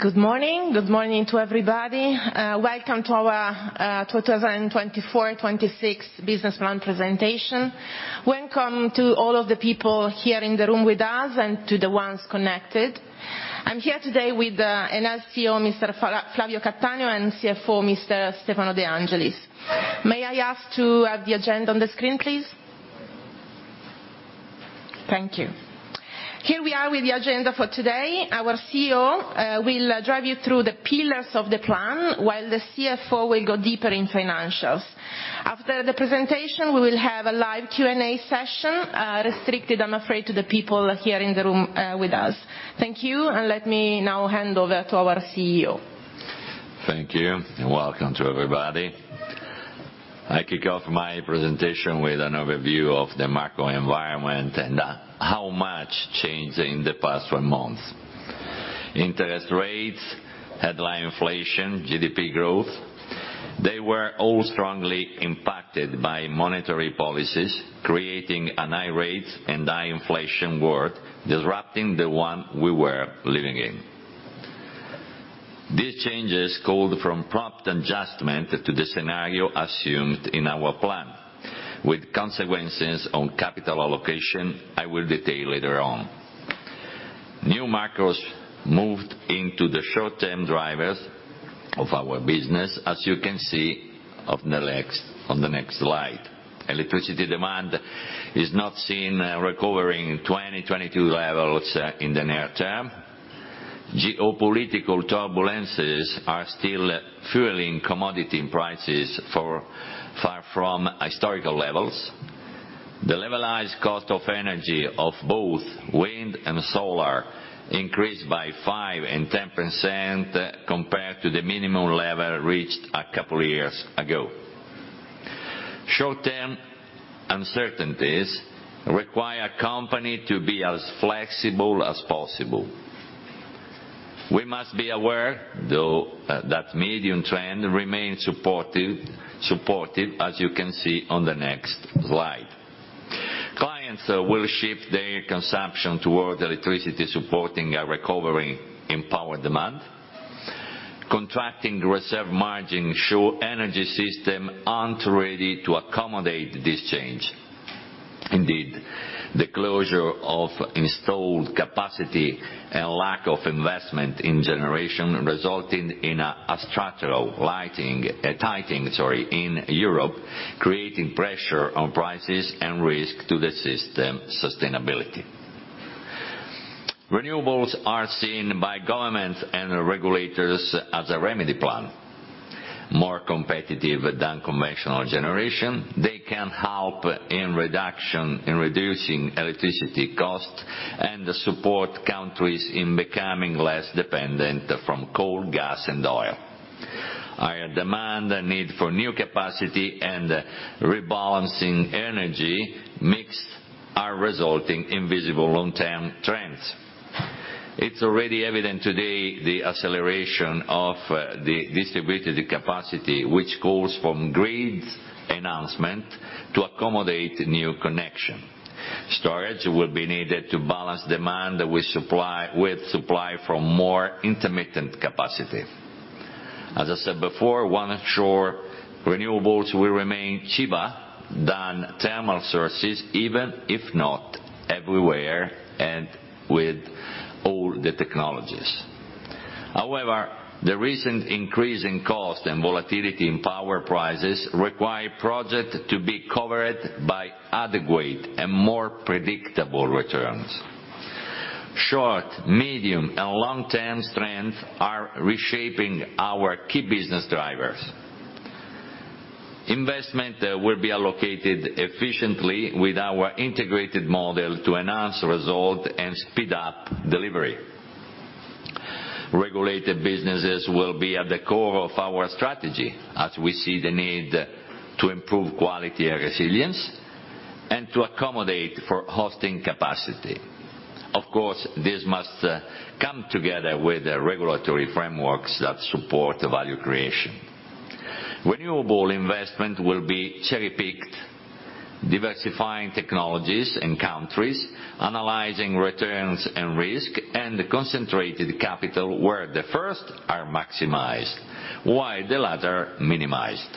Good morning. Good morning to everybody. Welcome to our 2024, 2026 Business Plan Presentation. Welcome to all of the people here in the room with us, and to the ones connected. I'm here today with our CEO, Mr. Flavio Cattaneo, and CFO, Mr. Stefano De Angelis. May I ask to have the agenda on the screen, please? Thank you. Here we are with the agenda for today. Our CEO will drive you through the pillars of the plan, while the CFO will go deeper in financials. After the presentation, we will have a live Q&A session, restricted, I'm afraid, to the people here in the room with us. Thank you, and let me now hand over to our CEO. Thank you, and welcome to everybody. I kick off my presentation with an overview of the macro environment, and how much changed in the past four months. Interest rates, headline inflation, GDP growth, they were all strongly impacted by monetary policies, creating a high rate and high inflation world, disrupting the one we were living in. These changes called from prompt adjustment to the scenario assumed in our plan, with consequences on capital allocation I will detail later on. New macros moved into the short-term drivers of our business, as you can see on the next slide. Electricity demand is not seen recovering 2022 levels in the near term. Geopolitical turbulences are still fueling commodity prices for far from historical levels. The levelized cost of energy of both wind and solar increased by 5% and 10% compared to the minimum level reached a couple years ago. Short-term uncertainties require a company to be as flexible as possible. We must be aware, though, that medium trend remains supportive, supportive, as you can see on the next slide. Clients will shift their consumption toward electricity, supporting a recovery in power demand. Contracting reserve margins show energy system aren't ready to accommodate this change. Indeed, the closure of installed capacity and lack of investment in generation resulting in a structural tightening, sorry, in Europe, creating pressure on prices and risk to the system sustainability. Renewables are seen by governments and regulators as a remedy plan. More competitive than conventional generation, they can help in reducing electricity costs, and support countries in becoming less dependent from coal, gas, and oil. Higher demand, a need for new capacity, and rebalancing energy mix are resulting in visible long-term trends. It's already evident today, the acceleration of the distributed capacity, which calls for grid enhancement to accommodate new connection. Storage will be needed to balance demand with supply, with supply from more intermittent capacity. As I said before, for sure, renewables will remain cheaper than thermal sources, even if not everywhere and with all the technologies. However, the recent increase in cost and volatility in power prices require project to be covered by adequate and more predictable returns. Short, medium, and long-term strengths are reshaping our key business drivers. Investment will be allocated efficiently with our integrated model to enhance result and speed up delivery. Regulated businesses will be at the core of our strategy, as we see the need to improve quality and resilience, and to accommodate for hosting capacity. Of course, this must come together with the regulatory frameworks that support value creation. Renewable investment will be cherry-picked, diversifying technologies and countries, analyzing returns and risk, and concentrated capital where the first are maximized, while the latter minimized.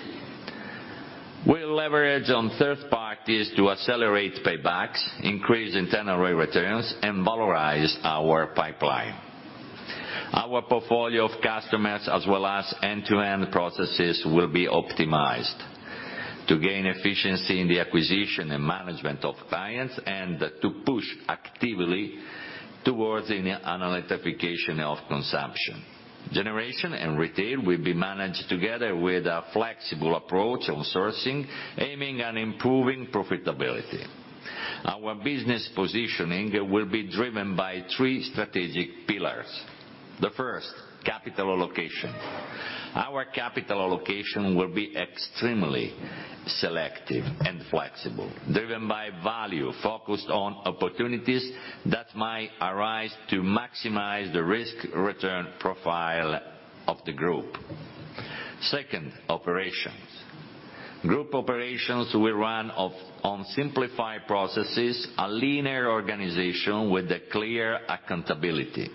We'll leverage on third parties to accelerate paybacks, increase internal rate returns, and valorize our pipeline. Our portfolio of customers, as well as end-to-end processes, will be optimized to gain efficiency in the acquisition and management of clients, and to push actively towards an electrification of consumption. Generation and retail will be managed together with a flexible approach on sourcing, aiming on improving profitability. Our business positioning will be driven by three strategic pillars. The first, capital allocation. Our capital allocation will be extremely selective and flexible, driven by value, focused on opportunities that might arise to maximize the risk-return profile of the group. Second, operations. Group operations will run on simplified processes, a linear organization with a clear accountability.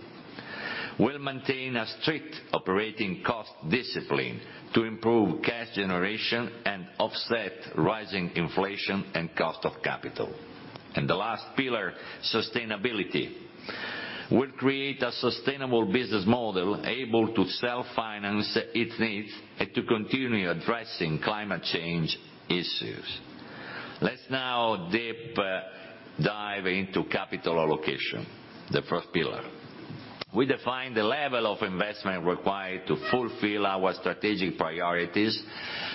We'll maintain a strict operating cost discipline to improve cash generation and offset rising inflation and cost of capital. And the last pillar, sustainability. We'll create a sustainable business model able to self-finance its needs, and to continue addressing climate change issues. Let's now deep dive into capital allocation, the first pillar. We define the level of investment required to fulfill our strategic priorities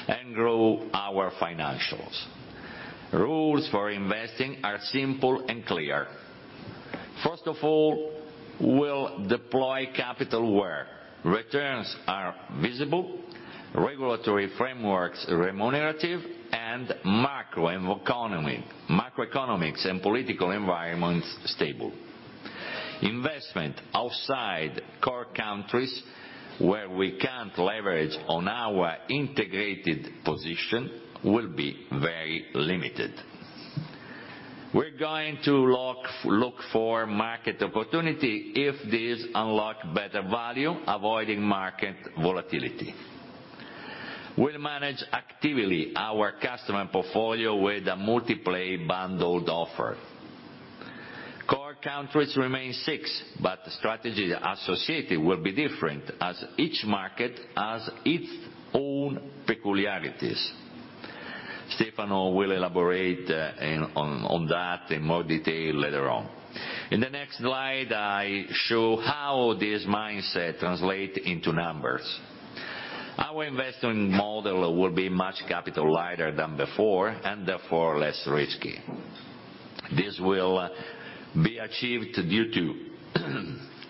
and grow our financials. Rules for investing are simple and clear. First of all, we'll deploy capital where returns are visible, regulatory frameworks remunerative, and macroeconomic and political environments stable. Investment outside core countries, where we can't leverage on our integrated position, will be very limited. We're going to look for market opportunity if this unlock better value, avoiding market volatility. We'll manage actively our customer portfolio with a multiply bundled offer. Core countries remain six, but strategy associated will be different, as each market has its own peculiarities. Stefano will elaborate on that in more detail later on. In the next slide, I show how this mindset translate into numbers. Our investing model will be much capital lighter than before, and therefore less risky. This will be achieved due to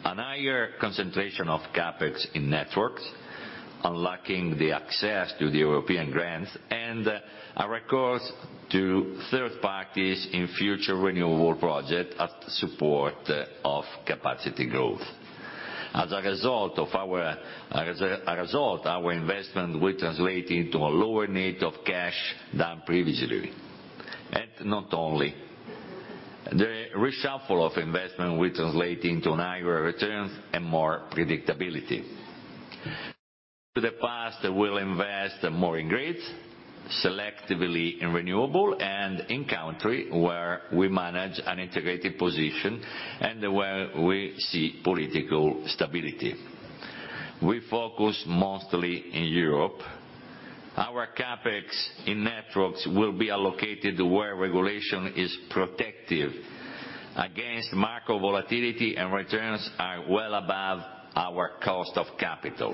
a higher concentration of CapEx in networks, unlocking the access to the European grants, and a recourse to third parties in future renewable project at support of capacity growth. As a result, our investment will translate into a lower need of cash than previously. Not only, the reshuffle of investment will translate into higher returns and more predictability. In the past, we'll invest more in grids, selectively in renewable, and in country where we manage an integrated position, and where we see political stability. We focus mostly in Europe. Our CapEx in networks will be allocated where regulation is protective against macro volatility, and returns are well above our cost of capital.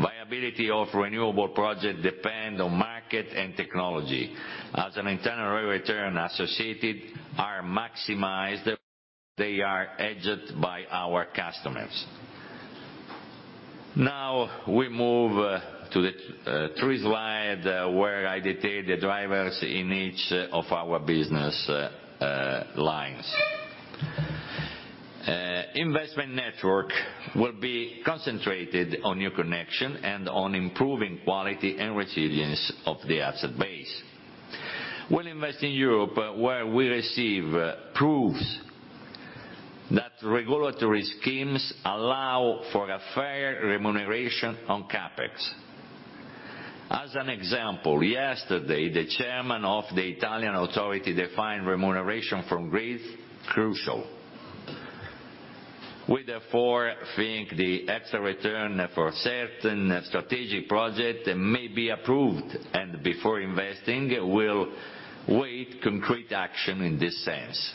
Viability of renewable project depend on market and technology. As an internal return associated are maximized, they are edged by our customers. Now, we move to the third slide, where I detail the drivers in each of our business lines. Investment network will be concentrated on new connection and on improving quality and resilience of the asset base. We'll invest in Europe, where we receive proof that regulatory schemes allow for a fair remuneration on CapEx. As an example, yesterday, the chairman of the Italian authority defined remuneration from grids crucial. We therefore think the extra return for certain strategic project may be approved, and before investing, we'll wait concrete action in this sense.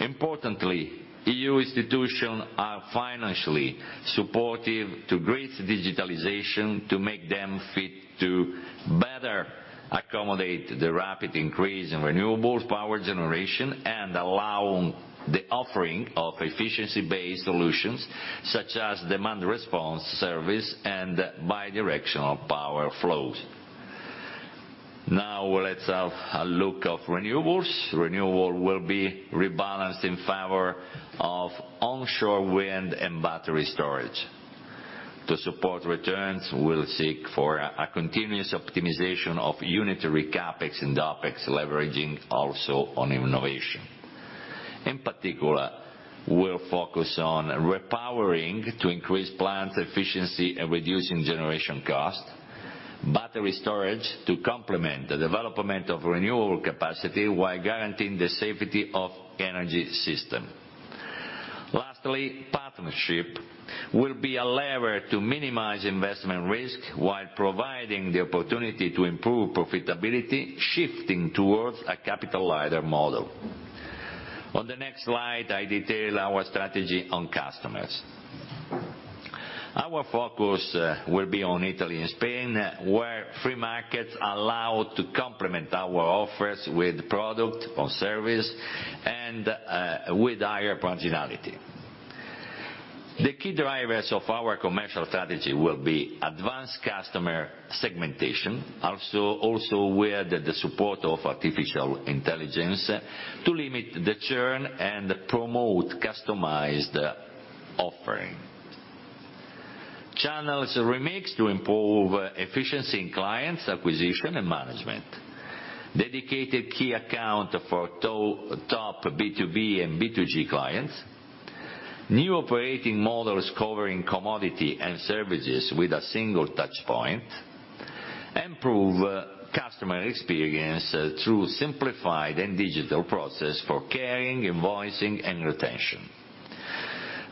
Importantly, EU institutions are financially supportive to grids digitalization, to make them fit to better accommodate the rapid increase in renewables power generation, and allow the offering of efficiency-based solutions, such as demand response service and bidirectional power flows. Now, let's have a look at renewables. Renewables will be rebalanced in favor of onshore wind and battery storage. To support returns, we'll seek for a continuous optimization of unitary CapEx and OpEx, leveraging also on innovation. In particular, we'll focus on repowering to increase plant efficiency and reducing generation cost, battery storage to complement the development of renewable capacity while guaranteeing the safety of energy system. Lastly, partnership will be a lever to minimize investment risk, while providing the opportunity to improve profitability, shifting towards a capital-lighter model. On the next slide, I detail our strategy on customers. Our focus will be on Italy and Spain, where free markets allow to complement our offers with product or service, and with higher profitability. The key drivers of our commercial strategy will be advanced customer segmentation, also with the support of artificial intelligence, to limit the churn and promote customized offering. Channels remix to improve efficiency in clients acquisition and management. Dedicated key account for top B2B and B2G clients, new operating models covering commodity and services with a single touch point, improve customer experience through simplified and digital process for caring, invoicing, and retention.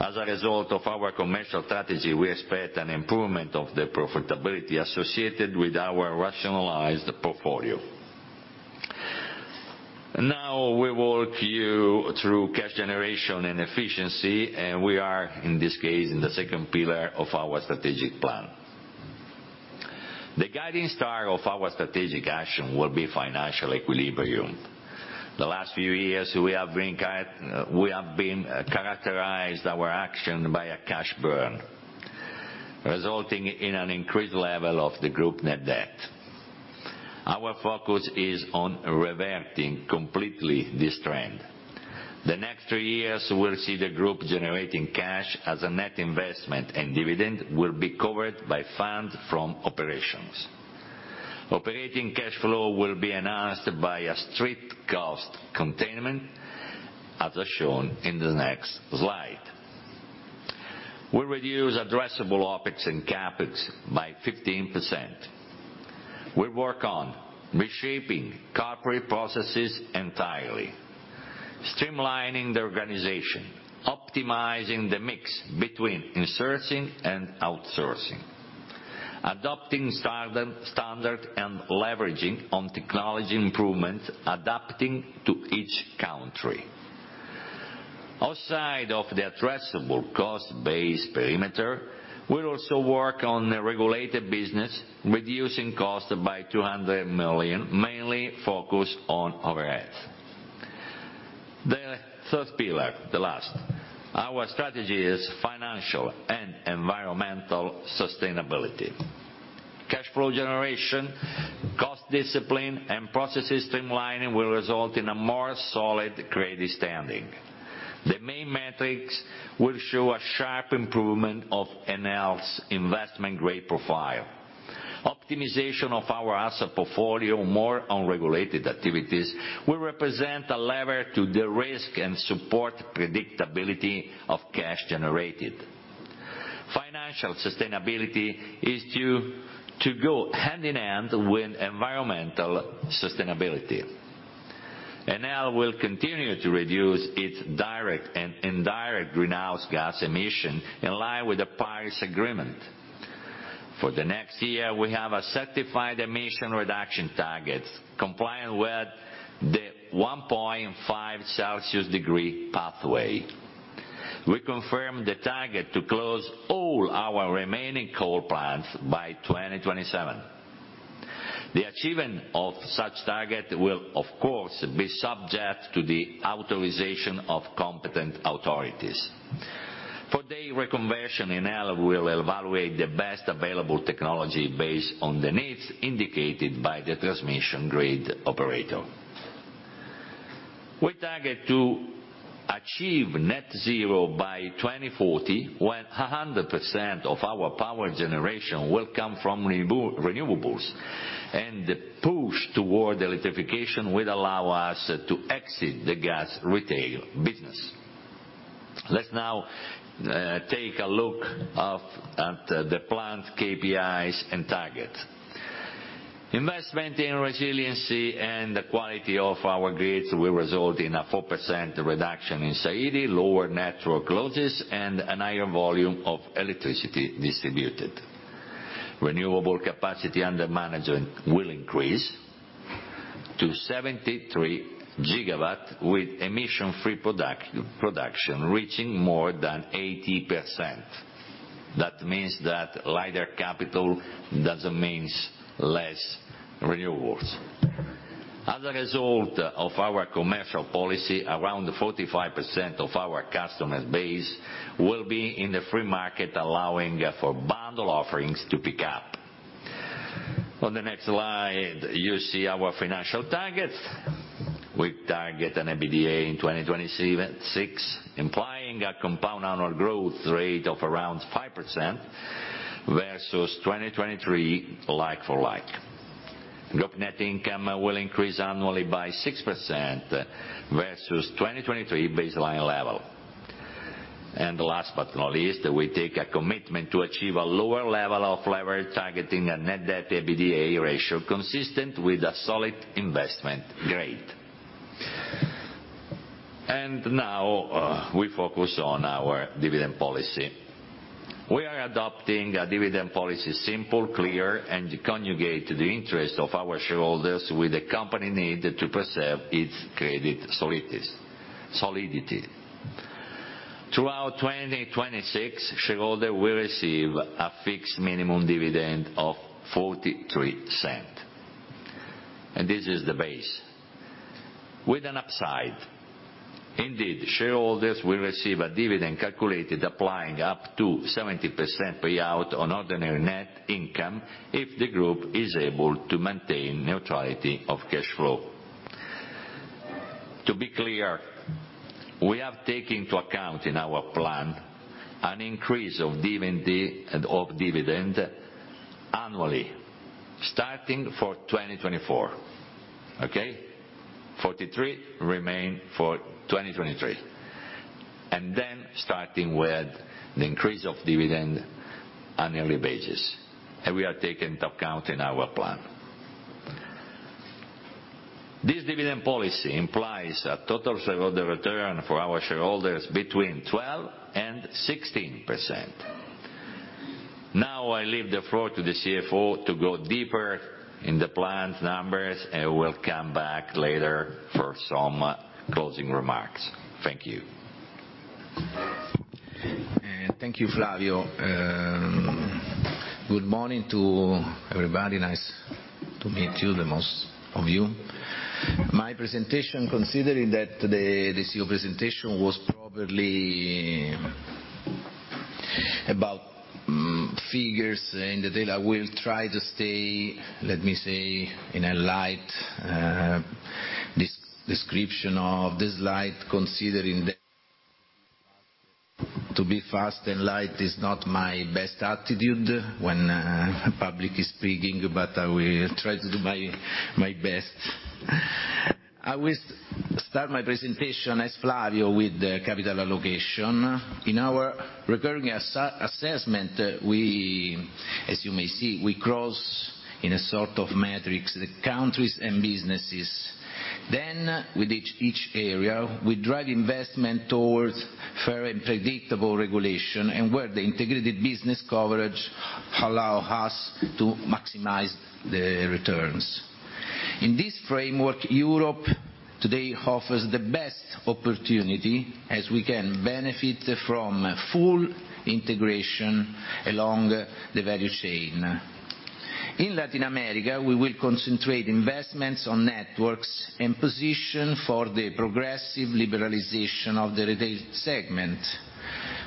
As a result of our commercial strategy, we expect an improvement of the profitability associated with our rationalized portfolio. Now, we walk you through cash generation and efficiency, and we are, in this case, in the second pillar of our strategic plan. The guiding star of our strategic action will be financial equilibrium. The last few years, we have characterized our action by a cash burn, resulting in an increased level of the group net debt. Our focus is on reverting completely this trend. The next three years, we'll see the group generating cash as a net investment, and dividend will be covered by funds from operations. Operating cash flow will be enhanced by a strict cost containment, as shown in the next slide. We reduce addressable OpEx and CapEx by 15%. We work on reshaping corporate processes entirely, streamlining the organization, optimizing the mix between insourcing and outsourcing, adopting standard, and leveraging on technology improvements, adapting to each country. Outside of the addressable cost base perimeter, we'll also work on the regulated business, reducing cost by 200 million, mainly focused on overhead. The third pillar, the last, our strategy is financial and environmental sustainability. Cash flow generation, cost discipline, and processes streamlining will result in a more solid credit standing. The main metrics will show a sharp improvement of Enel's investment grade profile. Optimization of our asset portfolio, more on regulated activities, will represent a lever to derisk and support predictability of cash generated. Financial sustainability is to, to go hand in hand with environmental sustainability. Enel will continue to reduce its direct and indirect greenhouse gas emission in line with the Paris Agreement. For the next year, we have a certified emission reduction target, compliant with the 1.5 Celsius degree pathway. We confirm the target to close all our remaining coal plants by 2027. The achievement of such target will, of course, be subject to the authorization of competent authorities. For the reconversion, Enel will evaluate the best available technology based on the needs indicated by the transmission grid operator. We target to achieve net zero by 2040, when 100% of our power generation will come from renewables, and the push toward electrification will allow us to exit the gas retail business. Let's now take a look at the planned KPIs and targets. Investment in resiliency and the quality of our grids will result in a 4% reduction in SAIDI, lower network losses, and a higher volume of electricity distributed. Renewable capacity under management will increase to 73 GW, with emission-free production reaching more than 80%. That means that lighter capital doesn't mean less renewables. As a result of our commercial policy, around 45% of our customer base will be in the free market, allowing for bundle offerings to pick up. On the next slide, you see our financial targets. We target an EBITDA in 2027 six, implying a compound annual growth rate of around 5% versus 2023, like for like. Group net income will increase annually by 6% versus 2023 baseline level. Last but not least, we take a commitment to achieve a lower level of leverage, targeting a net debt-to-EBITDA ratio consistent with a solid investment grade. Now, we focus on our dividend policy. We are adopting a dividend policy, simple, clear, and conjugate the interest of our shareholders with the company need to preserve its credit solidity. Throughout 2026, shareholder will receive a fixed minimum dividend of 0.43, and this is the base. With an upside, indeed, shareholders will receive a dividend calculated applying up to 70% payout on ordinary net income if the group is able to maintain neutrality of cash flow. To be clear, we have taken into account in our plan an increase of dividend, of dividend annually, starting for 2024, okay? 43 remain for 2023, and then starting with the increase of dividend on yearly basis, and we are taking into account in our plan. This dividend policy implies a total shareholder return for our shareholders between 12% and 16%. Now, I leave the floor to the CFO to go deeper in the plan's numbers, and we'll come back later for some closing remarks. Thank you. Thank you, Flavio. Good morning to everybody. Nice to meet you, the most of you. My presentation, considering that the CEO presentation was probably about figures in detail, I will try to stay, let me say, in a light description of this slide, considering that to be fast and light is not my best attitude when public is speaking, but I will try to do my best. I will start my presentation, as Flavio, with the capital allocation. In our recurring assessment, we, as you may see, we cross in a sort of matrix, the countries and businesses. Then, with each area, we drive investment towards fair and predictable regulation, and where the integrated business coverage allow us to maximize the returns. In this framework, Europe today offers the best opportunity as we can benefit from full integration along the value chain. In Latin America, we will concentrate investments on networks and position for the progressive liberalization of the retail segment.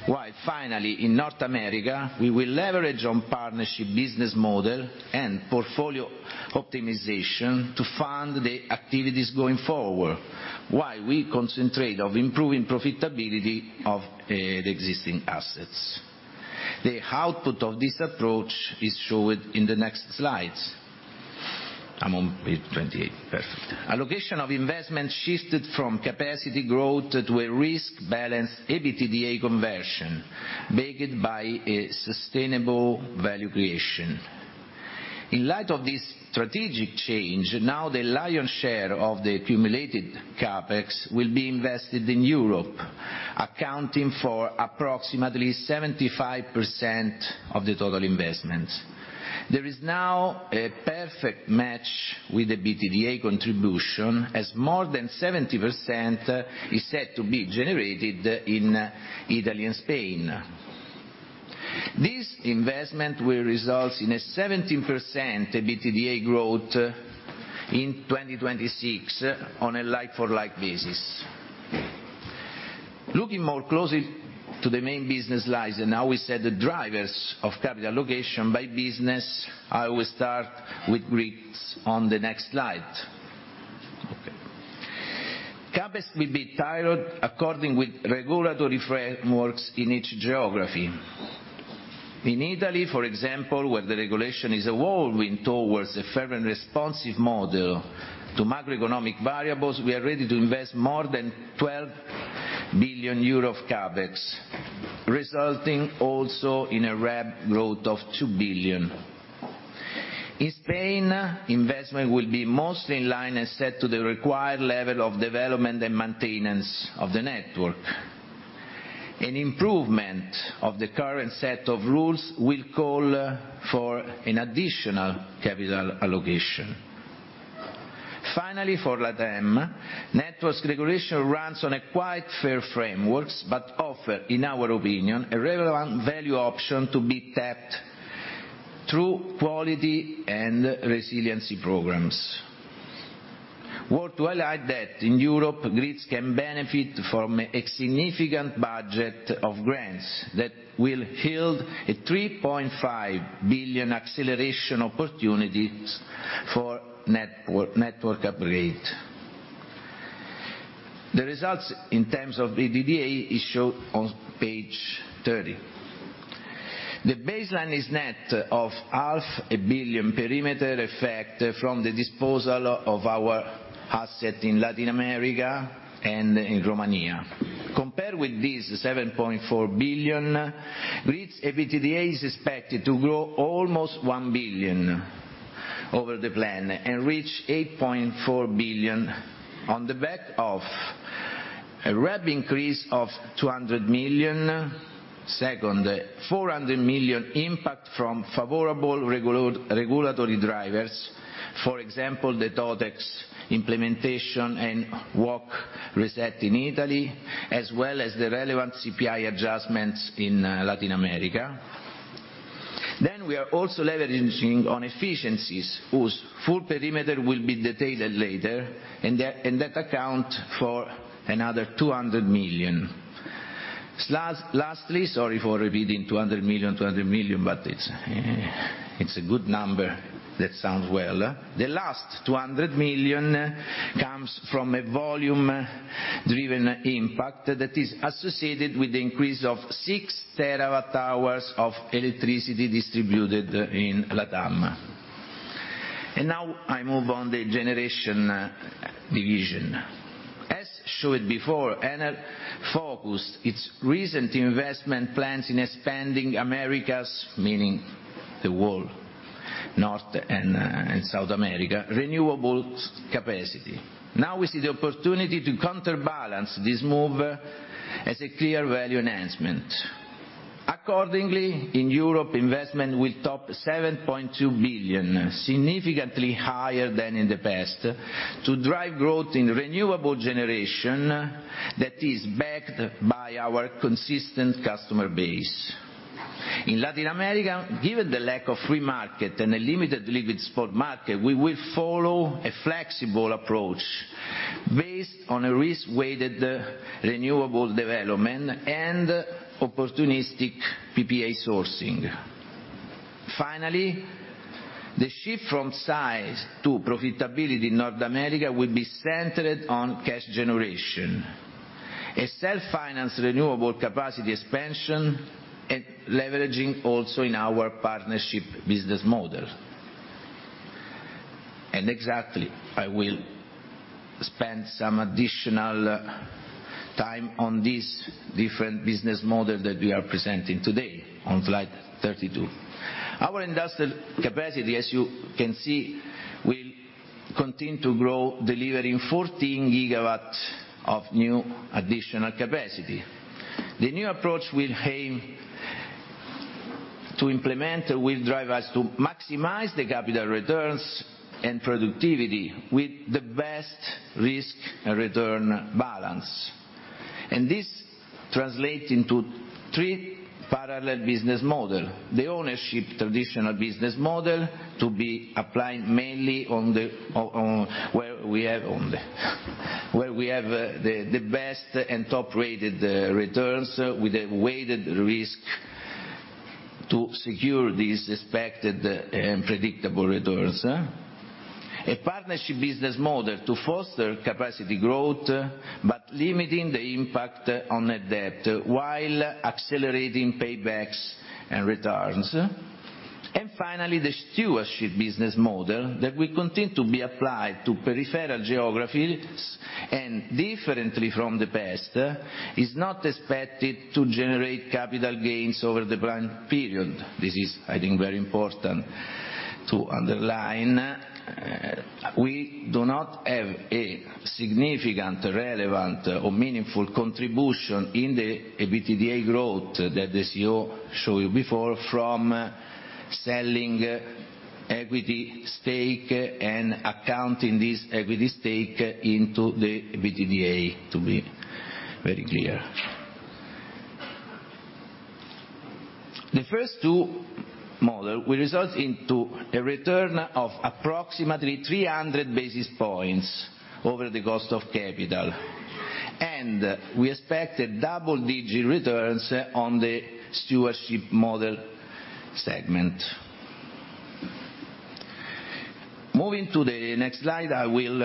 While finally, in North America, we will leverage on partnership business model and portfolio optimization to fund the activities going forward, while we concentrate of improving profitability of, the existing assets. The output of this approach is showed in the next slides. I'm on page 28, perfect. Allocation of investment shifted from capacity growth to a risk-balanced EBITDA conversion, backed by a sustainable value creation. In light of this strategic change, now the lion's share of the accumulated CapEx will be invested in Europe, accounting for approximately 75% of the total investments. There is now a perfect match with EBITDA contribution, as more than 70% is set to be generated in Italy and Spain. This investment will result in a 17% EBITDA growth in 2026 on a like-for-like basis. Looking more closely to the main business slides, and now we set the drivers of capital allocation by business. I will start with grids on the next slide. Okay. CapEx will be tailored according with regulatory frameworks in each geography. In Italy, for example, where the regulation is evolving towards a fair and responsive model to macroeconomic variables, we are ready to invest more than 12 billion euro of CapEx, resulting also in a rev growth of 2 billion. In Spain, investment will be mostly in line and set to the required level of development and maintenance of the network. An improvement of the current set of rules will call for an additional capital allocation. Finally, for LATAM, networks regulation runs on a quite fair frameworks, but offer, in our opinion, a relevant value option to be tapped through quality and resiliency programs. Worth highlighting that in Europe, grids can benefit from a significant budget of grants that will yield 3.5 billion acceleration opportunities for network upgrade. The results in terms of EBITDA is shown on page 30. The baseline is net of 0.5 billion perimeter effect from the disposal of our asset in Latin America and in Romania. Compared with this 7.4 billion, grids EBITDA is expected to grow almost 1 billion over the plan and reach 8.4 billion on the back of a rev increase of 200 million. Second, 400 million impact from favorable regulatory drivers, for example, the TOTEX implementation and WACC reset in Italy, as well as the relevant CPI adjustments in Latin America. Then, we are also leveraging on efficiencies, whose full perimeter will be detailed later, and that account for another 200 million. Last, lastly, sorry for repeating 200 million, 200 million, but it's, it's a good number that sounds well. The last 200 million comes from a volume-driven impact that is associated with the increase of 6TWh of electricity distributed in LATAM. And now I move on the generation division. As shown before, Enel focused its recent investment plans in expanding America's, meaning the whole North and South America, renewable capacity. Now we see the opportunity to counterbalance this move as a clear value enhancement. Accordingly, in Europe, investment will top 7.2 billion, significantly higher than in the past, to drive growth in renewable generation that is backed by our consistent customer base. In Latin America, given the lack of free market and a limited liquid spot market, we will follow a flexible approach based on a risk-weighted renewable development and opportunistic PPA sourcing. Finally, the shift from size to profitability in North America will be centered on cash generation, a self-finance renewable capacity expansion, and leveraging also in our partnership business model. And exactly, I will spend some additional time on this different business model that we are presenting today on slide 32. Our industrial capacity, as you can see, will continue to grow, delivering 14GW of new additional capacity. The new approach will aim to implement, will drive us to maximize the capital returns and productivity with the best risk and return balance. And this translates into three parallel business model: the ownership traditional business model to be applied mainly on where we have the best and top-rated returns with a weighted risk to secure these expected and predictable returns. A partnership business model to foster capacity growth, but limiting the impact on the debt, while accelerating paybacks and returns. And finally, the stewardship business model that will continue to be applied to peripheral geographies, and differently from the past, is not expected to generate capital gains over the planned period. This is, I think, very important to underline. We do not have a significant, relevant, or meaningful contribution in the EBITDA growth that the CEO showed you before from selling equity stake and accounting this equity stake into the EBITDA, to be very clear. The first two model will result into a return of approximately 300 basis points over the cost of capital, and we expect double-digit returns on the stewardship model segment. Moving to the next slide, I will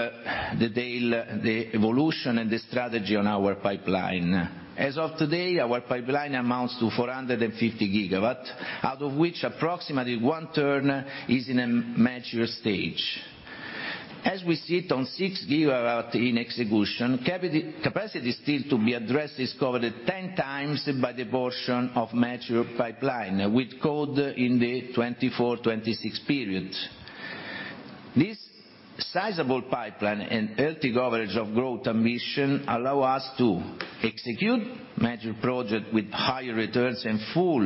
detail the evolution and the strategy on our pipeline. As of today, our pipeline amounts to 450GW, out of which approximately one-third is in a mature stage. As we sit on 6GW in execution, capacity still to be addressed is covered 10 times by the portion of mature pipeline, which go in the 2024-2026 period. This sizable pipeline and healthy coverage of growth ambition allow us to execute major project with higher returns and full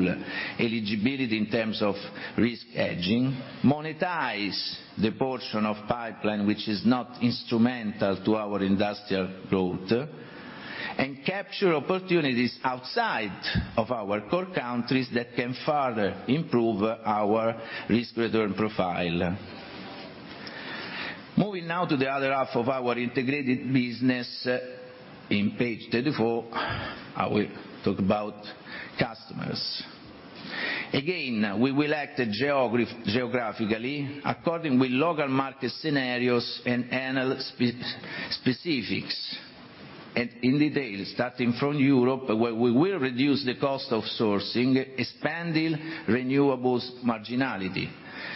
eligibility in terms of risk hedging, monetize the portion of pipeline which is not instrumental to our industrial growth, and capture opportunities outside of our core countries that can further improve our risk-return profile. Moving now to the other half of our integrated business, in page 34, I will talk about customers. Again, we will act geographically, according to local market scenarios and Enel specifics. In detail, starting from Europe, where we will reduce the cost of sourcing, expanding renewables marginality.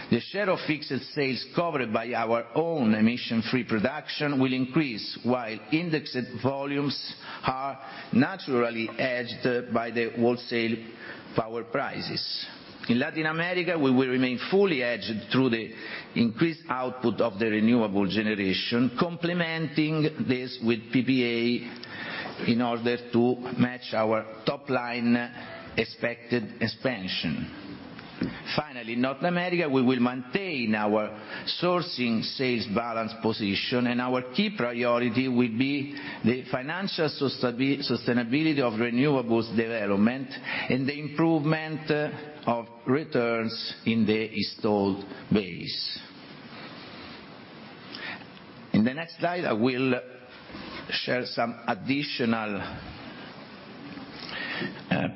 The share of fixed sales covered by our own emission-free production will increase, while indexed volumes are naturally hedged by the wholesale power prices. In Latin America, we will remain fully hedged through the increased output of the renewable generation, complementing this with PPA in order to match our top line expected expansion. Finally, North America, we will maintain our sourcing sales balance position, and our key priority will be the financial sustainability of renewables development and the improvement of returns in the installed base. In the next slide, I will share some additional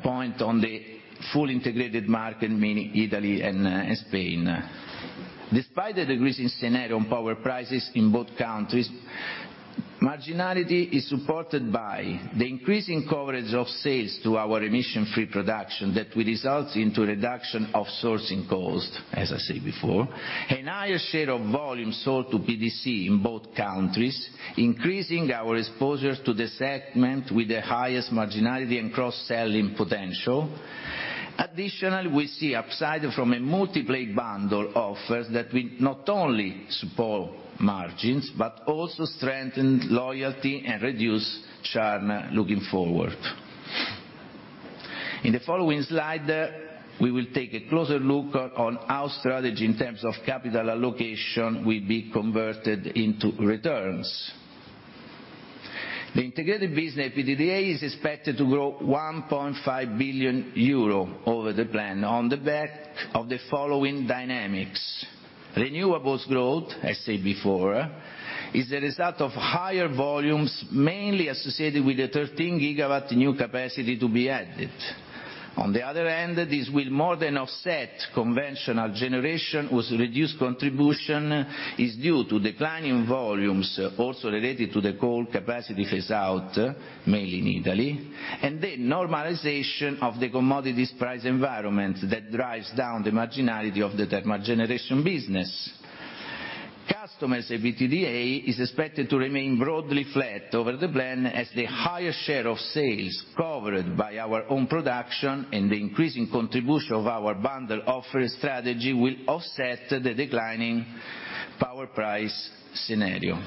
point on the full integrated market, meaning Italy and Spain. Despite the decreasing scenario on power prices in both countries, marginality is supported by the increasing coverage of sales to our emission-free production, that will result into reduction of sourcing cost, as I said before. A higher share of volume sold to B2C in both countries, increasing our exposure to the segment with the highest marginality and cross-selling potential. Additionally, we see upside from a multi-play bundle offers that will not only support margins, but also strengthen loyalty and reduce churn looking forward. In the following slide, we will take a closer look on how strategy in terms of capital allocation will be converted into returns. The integrated business EBITDA is expected to grow 1.5 billion euro over the plan, on the back of the following dynamics: renewables growth, I said before, is the result of higher volumes, mainly associated with the 13GW new capacity to be added. On the other hand, this will more than offset conventional generation, whose reduced contribution is due to declining volumes, also related to the coal capacity phase-out, mainly in Italy, and the normalization of the commodities price environment that drives down the marginality of the thermal generation business. Customers EBITDA is expected to remain broadly flat over the plan, as the higher share of sales covered by our own production and the increasing contribution of our bundle offer strategy will offset the declining power price scenario.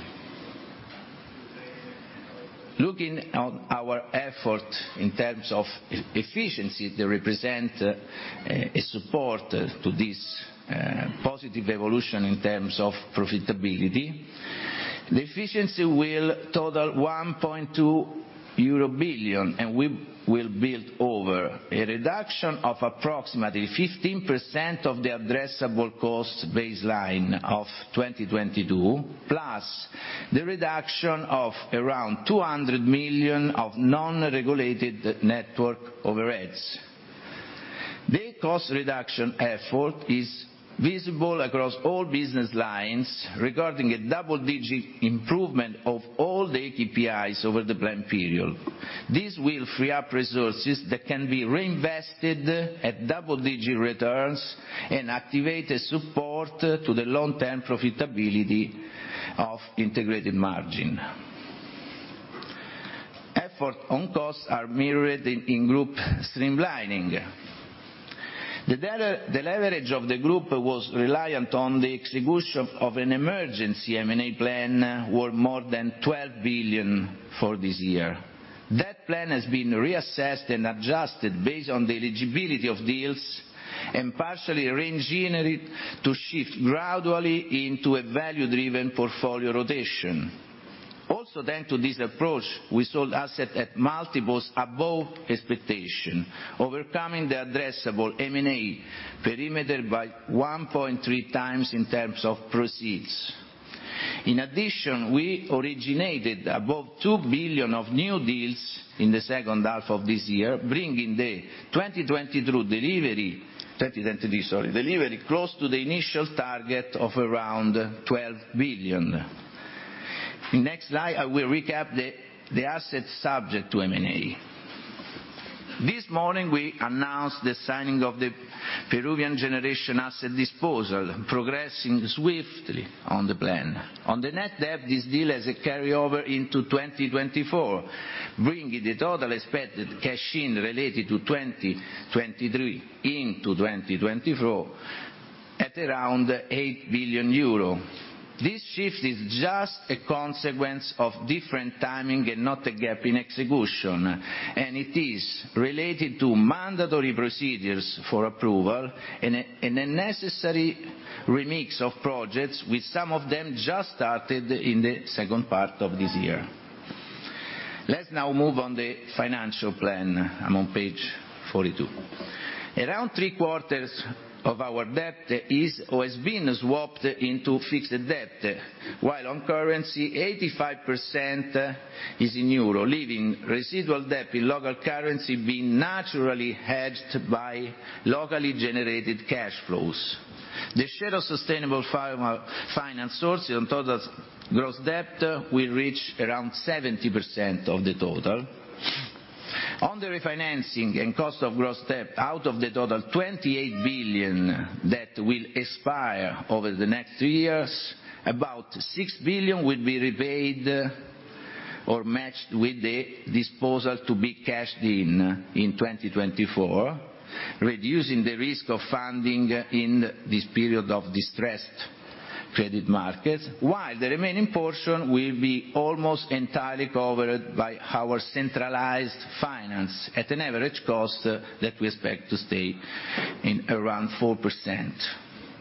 Looking on our effort in terms of efficiency, they represent a support to this positive evolution in terms of profitability. The efficiency will total 1.2 billion euro, and we will build over a reduction of approximately 15% of the addressable cost baseline of 2022, plus the reduction of around 200 million of non-regulated network overheads. The cost reduction effort is visible across all business lines, regarding a double-digit improvement of all the KPIs over the plan period. This will free up resources that can be reinvested at double-digit returns, and activate a support to the long-term profitability of integrated margin. Efforts on costs are mirrored in group streamlining. The leverage of the group was reliant on the execution of an emergency M&A plan, worth more than 12 billion for this year. That plan has been reassessed and adjusted based on the eligibility of deals, and partially reengineered to shift gradually into a value-driven portfolio rotation. Also, to this approach, we sold assets at multiples above expectation, overcoming the addressable M&A perimeter by 1.3 times in terms of proceeds. In addition, we originated above 2 billion of new deals in the second half of this year, bringing the 2020 through 2023 delivery close to the initial target of around 12 billion. In the next slide, I will recap the assets subject to M&A. This morning, we announced the signing of the Peruvian power generation asset disposal, progressing swiftly on the plan. On the net debt, this deal has a carryover into 2024, bringing the total expected cash-in related to 2023 into 2024, at around 8 billion euro. This shift is just a consequence of different timing, and not a gap in execution, and it is related to mandatory procedures for approval and a necessary remix of projects, with some of them just started in the second part of this year. Let's now move on to the financial plan. I'm on page 42. Around three quarters of our debt is, or has been swapped into fixed debt, while on currency, 85% is in EUR, leaving residual debt in local currency being naturally hedged by locally generated cash flows. The share of sustainable finance sources on total gross debt will reach around 70% of the total. On the refinancing and cost of gross debt, out of the total 28 billion that will expire over the next three years, about 6 billion will be repaid or matched with the disposal to be cashed in, in 2024, reducing the risk of funding in this period of distressed credit markets, while the remaining portion will be almost entirely covered by our centralized finance at an average cost that we expect to stay in around 4%.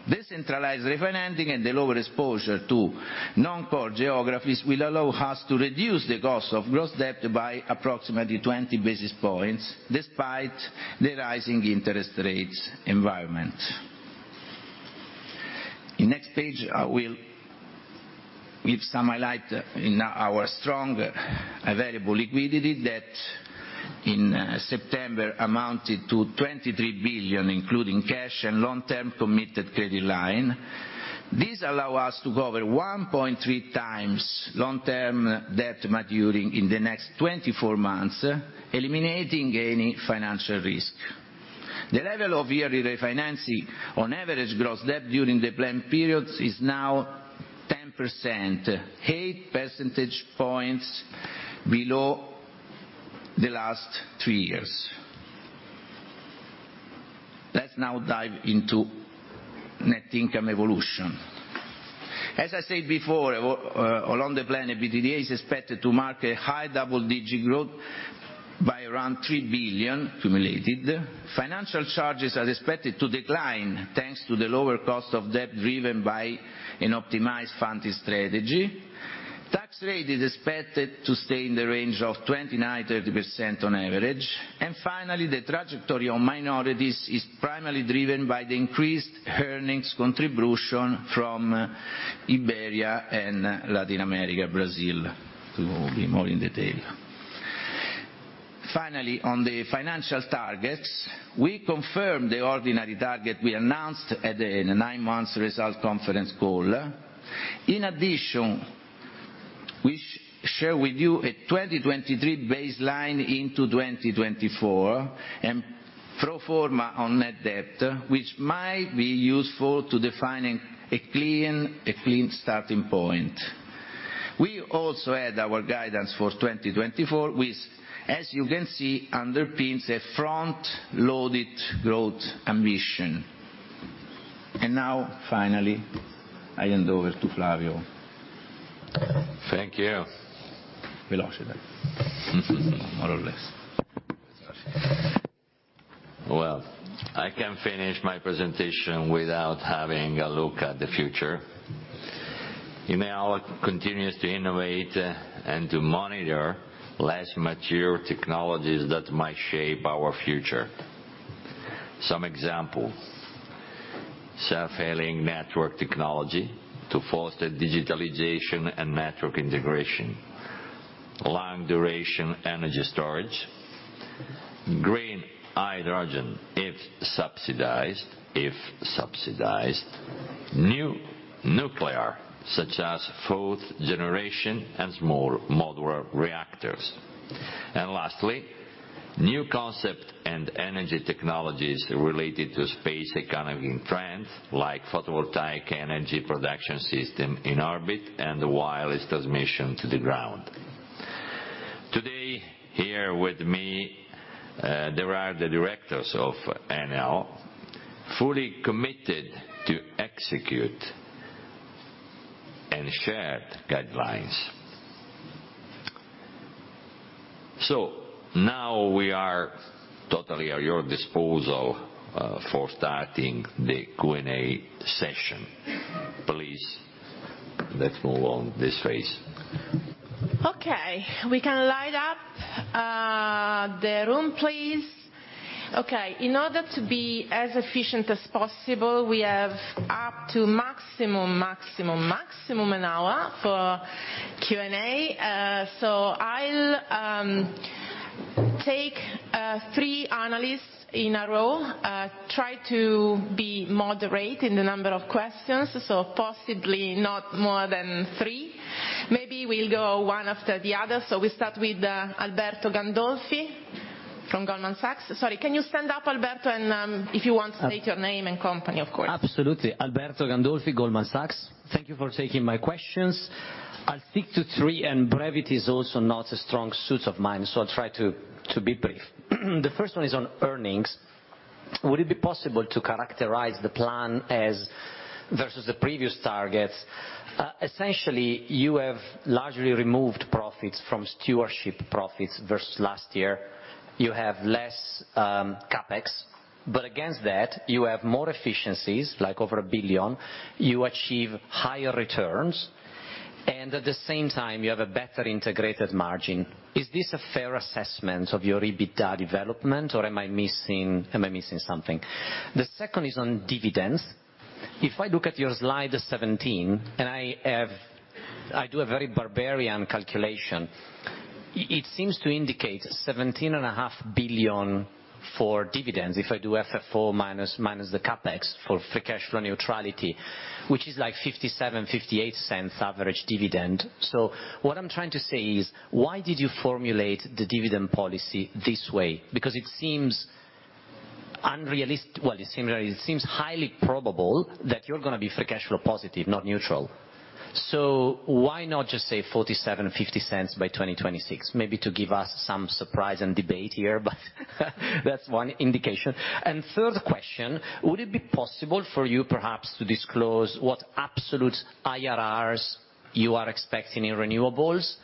This centralized refinancing and the lower exposure to non-core geographies will allow us to reduce the cost of gross debt by approximately 20 basis points, despite the rising interest rates environment. In next page, I will give some highlight in our strong available liquidity that in September amounted to 23 billion, including cash and long-term committed credit line. This allows us to cover 1.3 times long-term debt maturing in the next 24 months, eliminating any financial risk. The level of yearly refinancing on average gross debt during the planned periods is now 10%, eight percentage points below the last three years. Let's now dive into net income evolution. As I said before, along the plan, EBITDA is expected to mark a high double-digit growth by around 3 billion cumulative. Financial charges are expected to decline, thanks to the lower cost of debt, driven by an optimized funding strategy. Tax rate is expected to stay in the range of 29%-30% on average. And finally, the trajectory on minorities is primarily driven by the increased earnings contribution from Iberia and Latin America, Brazil, to be more in detail. Finally, on the financial targets, we confirm the ordinary target we announced at the nine-month results conference call. In addition, we share with you a 2023 baseline into 2024, and pro forma on net debt, which might be useful to defining a clean, a clean starting point. We also had our guidance for 2024, which, as you can see, underpins a front-loaded growth ambition. And now, finally, I hand over to Flavio. Thank you. We lost it. More or less. Well, I can't finish my presentation without having a look at the future. Enel continues to innovate and to monitor less mature technologies that might shape our future. Some example, self-healing network technology to foster digitalization and network integration, long-duration energy storage, green hydrogen, if subsidized, if subsidized, new nuclear, such as fourth generation and small modular reactors. And lastly, new concept and energy technologies related to space economic trends, like photovoltaic energy production system in orbit and wireless transmission to the ground. Today, here with me, there are the directors of Enel, fully committed to execute and shared guidelines. So now we are totally at your disposal, for starting the Q&A session. Please, let's move on this phase. Okay, we can light up the room, please. Okay, in order to be as efficient as possible, we have up to maximum, maximum, maximum an hour for Q&A. So I'll take three analysts in a row. Try to be moderate in the number of questions, so possibly not more than three. Maybe we'll go one after the other. So we start with Alberto Gandolfi from Goldman Sachs. Sorry, can you stand up, Alberto, and if you want, state your name and company, of course. Absolutely. Alberto Gandolfi, Goldman Sachs. Thank you for taking my questions. I'll stick to three, and brevity is also not a strong suit of mine, so I'll try to be brief. The first one is on earnings. Would it be possible to characterize the plan as versus the previous targets? Essentially, you have largely removed profits from stewardship profits versus last year. You have less CapEx, but against that, you have more efficiencies, like over 1 billion. You achieve higher returns, and at the same time, you have a better integrated margin. Is this a fair assessment of your EBITDA development, or am I missing, am I missing something? The second is on dividends. If I look at your slide 17, and I do a very barbarian calculation, it seems to indicate 17.5 billion for dividends, if I do FFO minus the CapEx for free cash flow neutrality, which is like 0.57-0.58 average dividend. So what I'm trying to say is, why did you formulate the dividend policy this way? Because it seems unrealistic well, it seems highly probable that you're gonna be free cash flow positive, not neutral. So why not just say 0.47-0.50 by 2026? Maybe to give us some surprise and debate here, but that's one indication. And third question: Would it be possible for you perhaps to disclose what absolute IRRs you are expecting in renewables,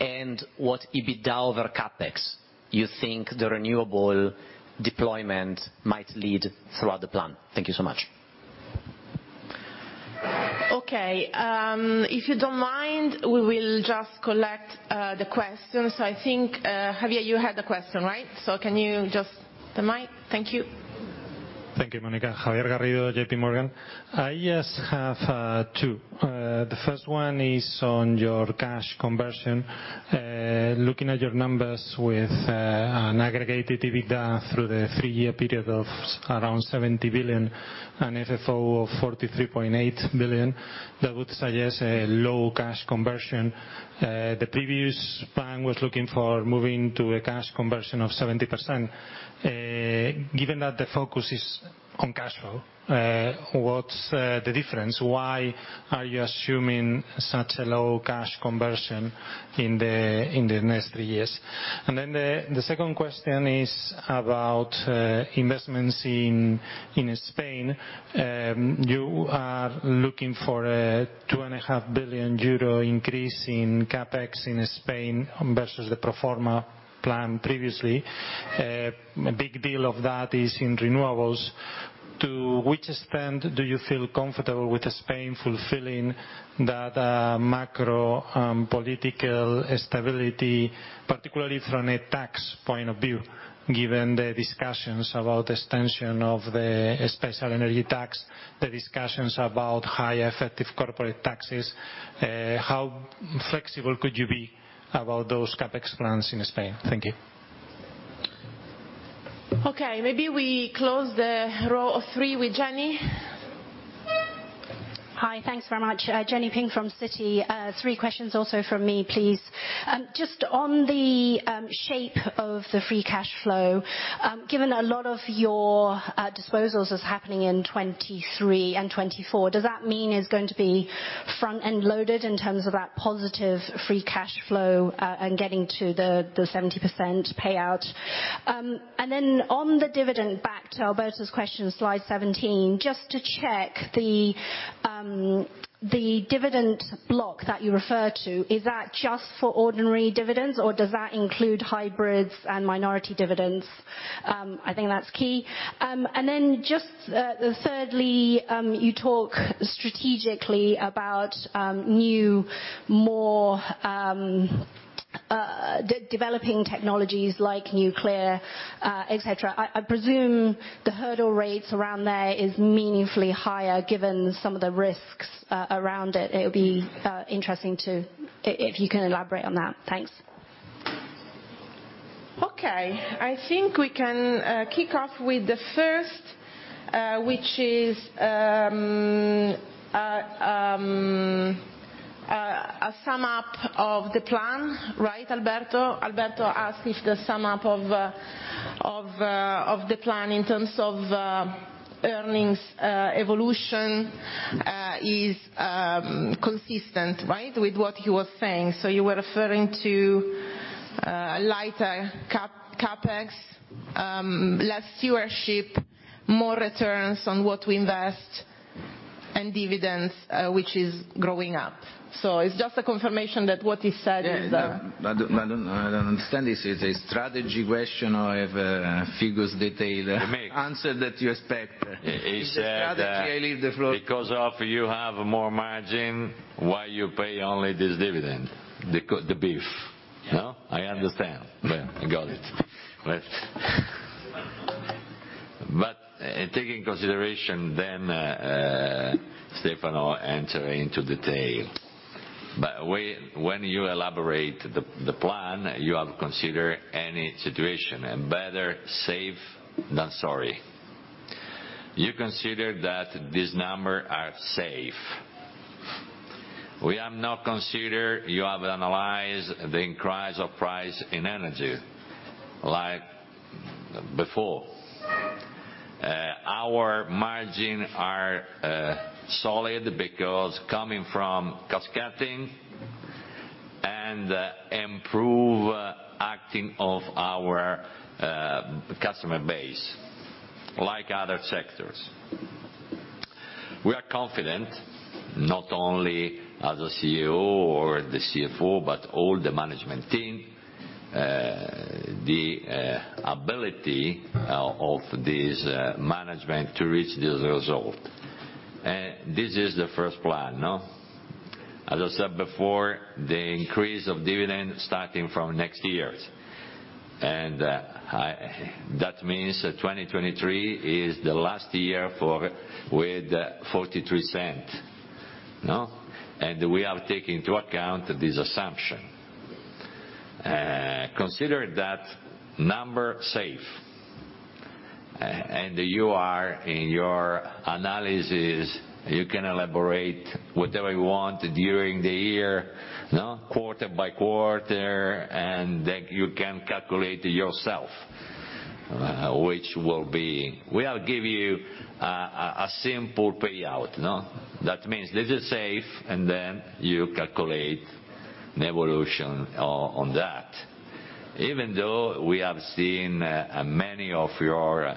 and what EBITDA over CapEx you think the renewable deployment might lead throughout the plan? Thank you so much. Okay, if you don't mind, we will just collect the questions. I think, Javier, you had a question, right? So can you just the mic? Thank you. Thank you, Monica. Javier Garrido, JP Morgan. I just have two. The first one is on your cash conversion. Looking at your numbers with an aggregated EBITDA through the three-year period of around 70 billion, and FFO of 43.8 billion, that would suggest a low cash conversion. The previous plan was looking for moving to a cash conversion of 70%. Given that the focus is on cash flow, what's the difference? Why are you assuming such a low cash conversion in the next three years? And then the second question is about investments in Spain. You are looking for a 2.5 billion euro increase in CapEx in Spain versus the pro forma plan previously. A big deal of that is in renewables. To which extent do you feel comfortable with Spain fulfilling that, macro, political stability, particularly from a tax point of view, given the discussions about extension of the special energy tax, the discussions about higher effective corporate taxes, how flexible could you be about those CapEx plans in Spain? Thank you. Okay, maybe we close the row of three with Jenny. Hi, thanks very much. Jenny Ping from Citi. Three questions also from me, please. Just on the shape of the free cash flow, given a lot of your disposals is happening in 2023 and 2024, does that mean it's going to be front-end loaded in terms of that positive free cash flow, and getting to the 70% payout? And then on the dividend, back to Alberto's question, slide 17, just to check the dividend block that you referred to, is that just for ordinary dividends, or does that include hybrids and minority dividends? I think that's key. And then just thirdly, you talk strategically about new, more developing technologies like nuclear, etc. I presume the hurdle rates around there is meaningfully higher, given some of the risks around it. It would be interesting to, if you can elaborate on that. Thanks. Okay, I think we can kick off with the first, which is a sum-up of the plan, right, Alberto? Alberto asked if the sum-up of the plan in terms of earnings evolution is consistent, right? With what you were saying. So you were referring to lighter CapEx, less stewardship, more returns on what we invest, and dividends, which is growing up. So it's just a confirmation that what he said. Yeah, I don't understand. Is it a strategy question or if a figures detail. Answer that you expect. He said, Strategy, I leave the floor. Because of you have more margin, why you pay only this dividend, the beef, no? I understand. Well, I got it. Right. But, take in consideration then, Stefano enter into detail. But when you elaborate the plan, you have considered any situation, and better safe than sorry. You consider that these number are safe. We have not considered, you have analyzed the increase of price in energy, like before. Our margin are solid because coming from cost-cutting and improve acting of our customer base, like other sectors. We are confident, not only as a CEO or the CFO, but all the management team, the ability of this management to reach this result. This is the first plan, no? As I said before, the increase of dividend starting from next years. That means that 2023 is the last year with 0.42, no? And we are taking into account this assumption. Consider that number safe. And you are, in your analysis, you can elaborate whatever you want during the year, no? Quarter by quarter, and then you can calculate yourself, which we are give you a simple payout, no? That means this is safe, and then you calculate an evolution on, on that. Even though we have seen many of your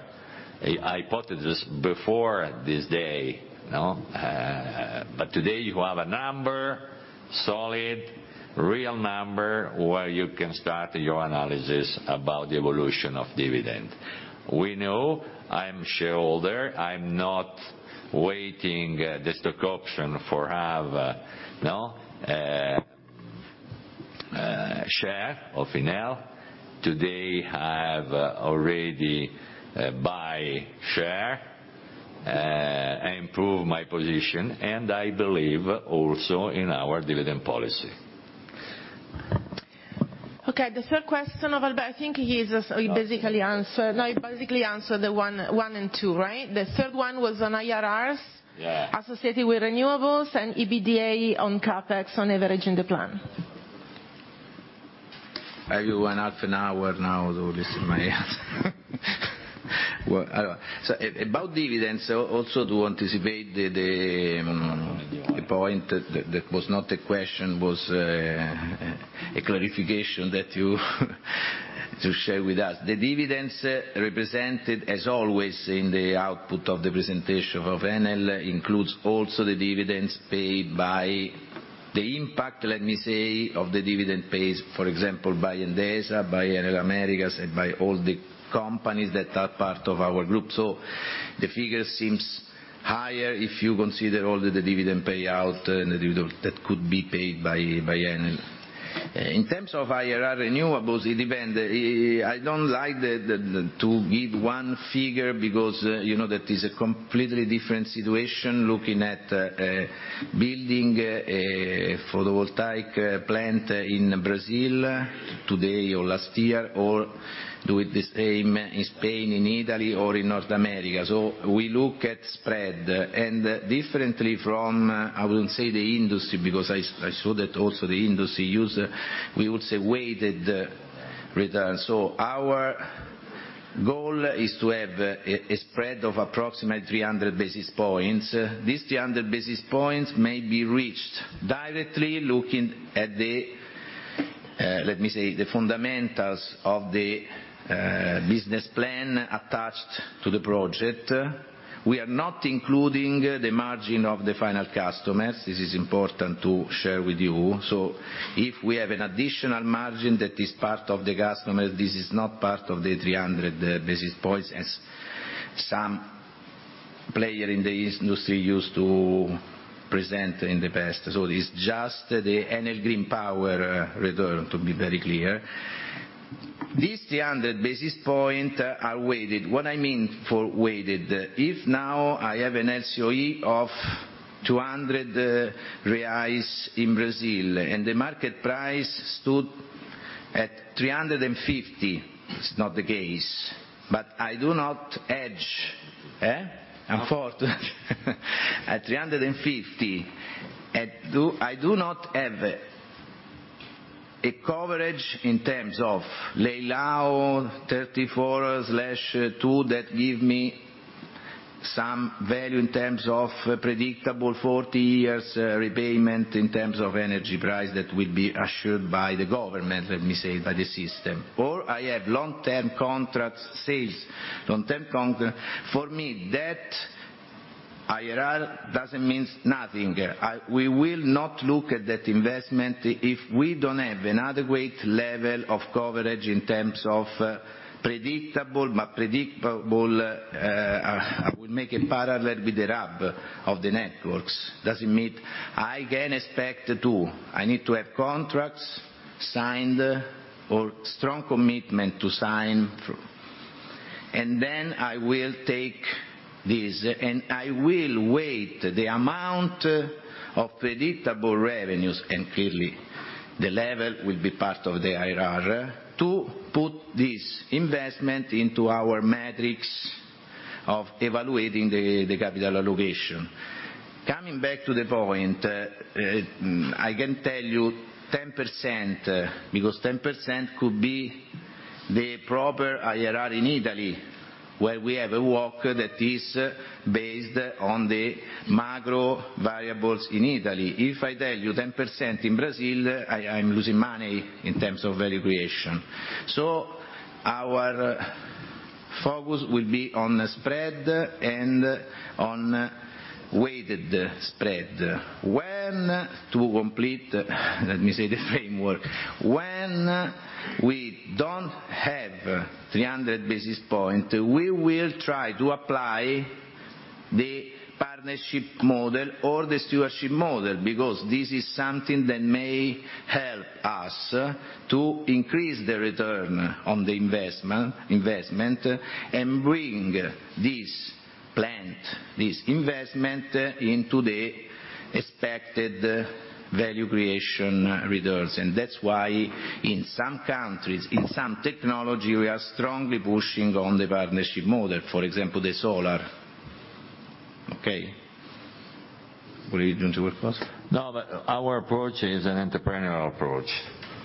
hypotheses before this day, no? But today you have a number solid, real number where you can start your analysis about the evolution of dividend. We know I'm shareholder, I'm not waiting, the stock option for have, no, share of Enel. Today, I have already, buy share, I improve my position, and I believe also in our dividend policy. Okay, the third question of Alberto, I think he is basically answered. No, he basically answered the one, one and two, right? The third one was on IRRs associated with renewables and EBITDA on CapEx, on averaging the plan. Well, about dividends, so also to anticipate the point that was not a question, was a clarification that you to share with us. The dividends represented, as always, in the output of the presentation of Enel, includes also the dividends paid by the impact, let me say, of the dividend paid, for example, by Endesa, by Enel Américas, and by all the companies that are part of our group. So the figure seems higher if you consider all the dividend payout, and the dividend that could be paid by Enel. In terms of IRR renewables, it depend, I don't like to give one figure because, you know, that is a completely different situation, looking at building a photovoltaic plant in Brazil today or last year, or do it the same in Spain, in Italy, or in North America. So we look at spread, and differently from, I wouldn't say the industry, because I saw that also the industry use, we would say weighted return. So our goal is to have a spread of approximately 300 basis points. These 300 basis points may be reached directly looking at the, let me say, the fundamentals of the business plan attached to the project. We are not including the margin of the final customers. This is important to share with you. So if we have an additional margin that is part of the customer, this is not part of the 300 basis points, as some player in the industry used to present in the past. So it's just the Enel Green Power return, to be very clear. These 300 basis points are weighted. What I mean for weighted? If now I have an LCOE of 200 reais in Brazil, and the market price stood at 350, it's not the case, but I do not hedge, eh? Unfortunately, at 350, I do not have a coverage in terms of uncertain, that give me some value in terms of predictable 40 years repayment, in terms of energy price, that will be assured by the government, let me say, by the system. Or I have long-term contracts, sales, long-term contract. For me, that IRR doesn't means nothing. We will not look at that investment if we don't have an adequate level of coverage in terms of predictable, but predictable, I will make it parallel with the RAB of the networks. Doesn't mean I can expect to, I need to have contracts signed or strong commitment to sign, and then I will take this, and I will wait the amount of predictable revenues, and clearly, the level will be part of the IRR, to put this investment into our metrics of evaluating the, the capital allocation. Coming back to the point, I can tell you 10%, because 10% could be the proper IRR in Italy, where we have a WACC that is based on the macro variables in Italy. If I tell you 10% in Brazil, I'm losing money in terms of value creation. So our focus will be on the spread and on weighted spread. When to complete, let me say, the framework, when we don't have 300 basis points, we will try to apply the partnership model or the stewardship model, because this is something that may help us to increase the return on the investment, investment, and bring this plant, this investment, into the expected value creation returns. And that's why in some countries, in some technology, we are strongly pushing on the partnership model, for example, the solar. Okay. Do you want to add first? No, but our approach is an entrepreneurial approach.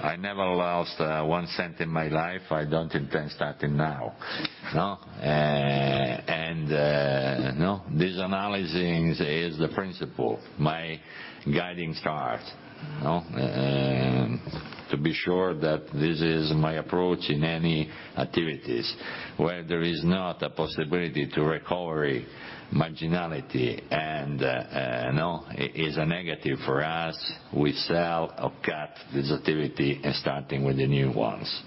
I never lost one cent in my life. I don't intend starting now. No? And no, this analysis is the principle, my guiding star, no? To be sure that this is my approach in any activities. Where there is not a possibility to recovery marginality, and, you know, it is a negative for us, we sell or cut this activity and starting with the new ones.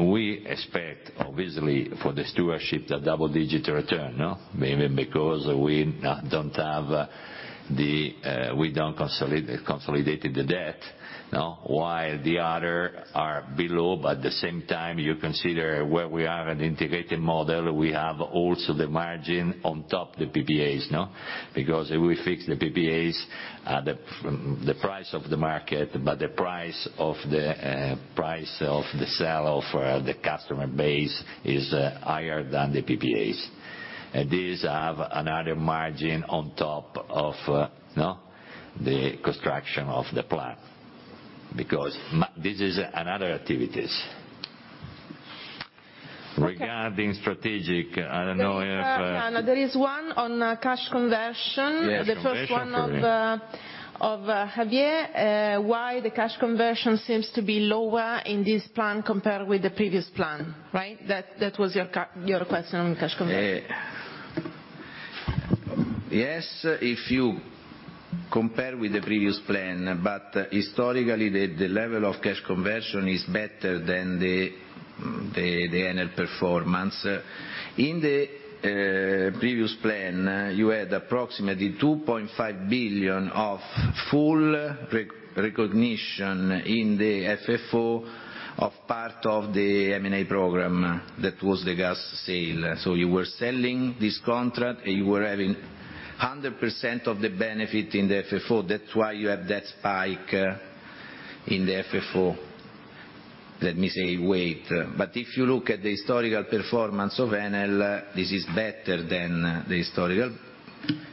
We expect, obviously, for the stewardship, a double-digit return, no? Mainly because we, don't have the, we don't consolidated the debt, no? While the other are below, but at the same time, you consider where we are an integrated model, we have also the margin on top the PPAs, no? Because if we fix the PPAs, the, the price of the market, but the price of the, price of the sell of the customer base is, higher than the PPAs. And these have another margin on top of, no, the construction of the plan, because this is another activities. Okay. Regarding strategic, I don't know if, There is one on cash conversion. Yes, conversion for me. The first one of Javier, why the cash conversion seems to be lower in this plan compared with the previous plan, right? That, that was your your question on cash conversion. Yes, if you compare with the previous plan, but historically, the level of cash conversion is better than the Enel performance. In the previous plan, you had approximately 2.5 billion of full recognition in the FFO of part of the M&A program. That was the gas sale. So you were selling this contract, and you were having 100% of the benefit in the FFO. That's why you have that spike in the FFO. Let me say, wait, but if you look at the historical performance of Enel, this is better than the historical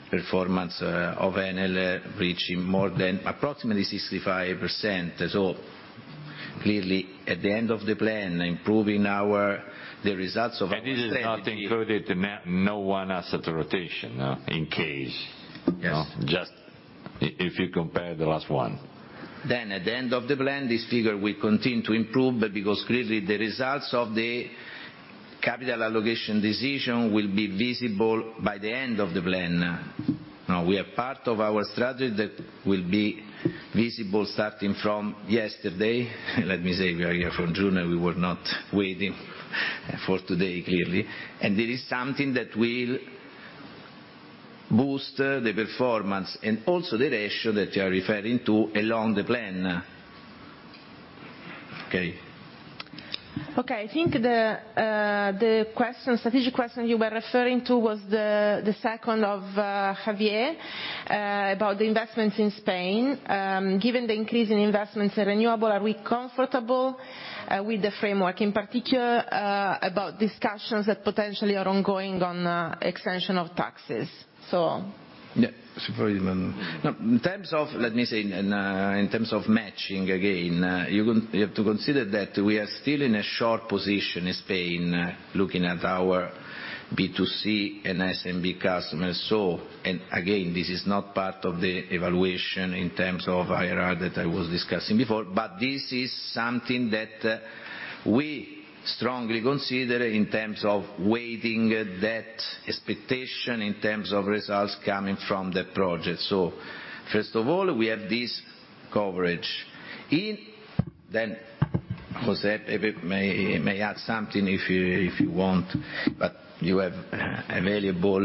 performance of Enel, reaching more than approximately 65%. So clearly, at the end of the plan, improving the results of our strategy- This is not included in no one asset rotation, in case. Yes. Just if you compare the last one. Then at the end of the plan, this figure will continue to improve, but because clearly, the results of the capital allocation decision will be visible by the end of the plan. Now, we are part of our strategy that will be visible starting from yesterday. Let me say, we are here from June, and we were not waiting for today, clearly. And there is something that will boost the performance, and also the ratio that you are referring to, along the plan. Okay. Okay, I think the strategic question you were referring to was the second of Javier about the investments in Spain. Given the increase in investments in renewable, are we comfortable with the framework, in particular about discussions that potentially are ongoing on extension of taxes? So? Yeah, super, even. Now, in terms of, let me say, in, in terms of matching again, you have to consider that we are still in a short position in Spain, looking at our B2C and SMB customers. So, and again, this is not part of the evaluation in terms of IRR that I was discussing before, but this is something that, we strongly consider in terms of weighting that expectation, in terms of results coming from the project. So first of all, we have this coverage. Then, José, Pepe may add something if you want, but you have available,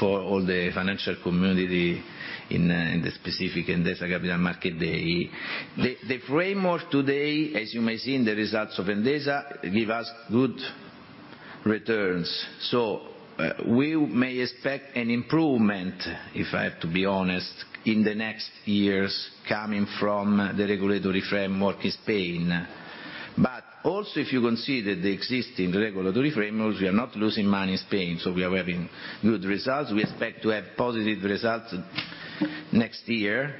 for all the financial community in, in the specific Endesa Capital Markets Day. The framework today, as you may see in the results of Endesa, give us good returns. So, we may expect an improvement, if I have to be honest, in the next years coming from the regulatory framework in Spain. But also, if you consider the existing regulatory frameworks, we are not losing money in Spain, so we are having good results. We expect to have positive results next year,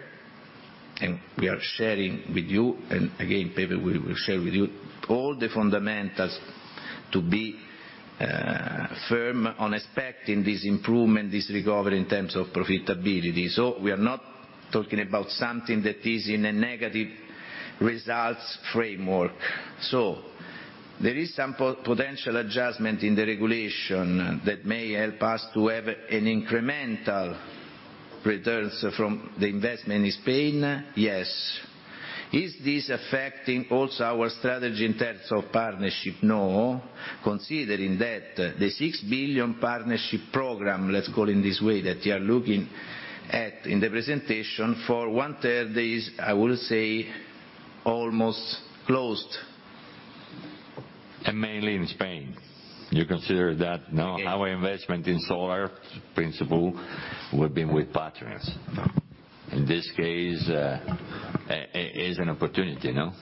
and we are sharing with you, and again, Pepe will share with you, all the fundamentals to be firm on expecting this improvement, this recovery in terms of profitability. So we are not talking about something that is in a negative results framework. So there is some potential adjustment in the regulation that may help us to have an incremental returns from the investment in Spain? Yes. Is this affecting also our strategy in terms of partnership? No, considering that the 6 billion partnership program, let's call it this way, that you are looking at in the presentation, for one third is, I will say, almost closed. And mainly in Spain. You consider that, no, our investment in solar, principle, will be with partners. In this case, it is an opportunity, no?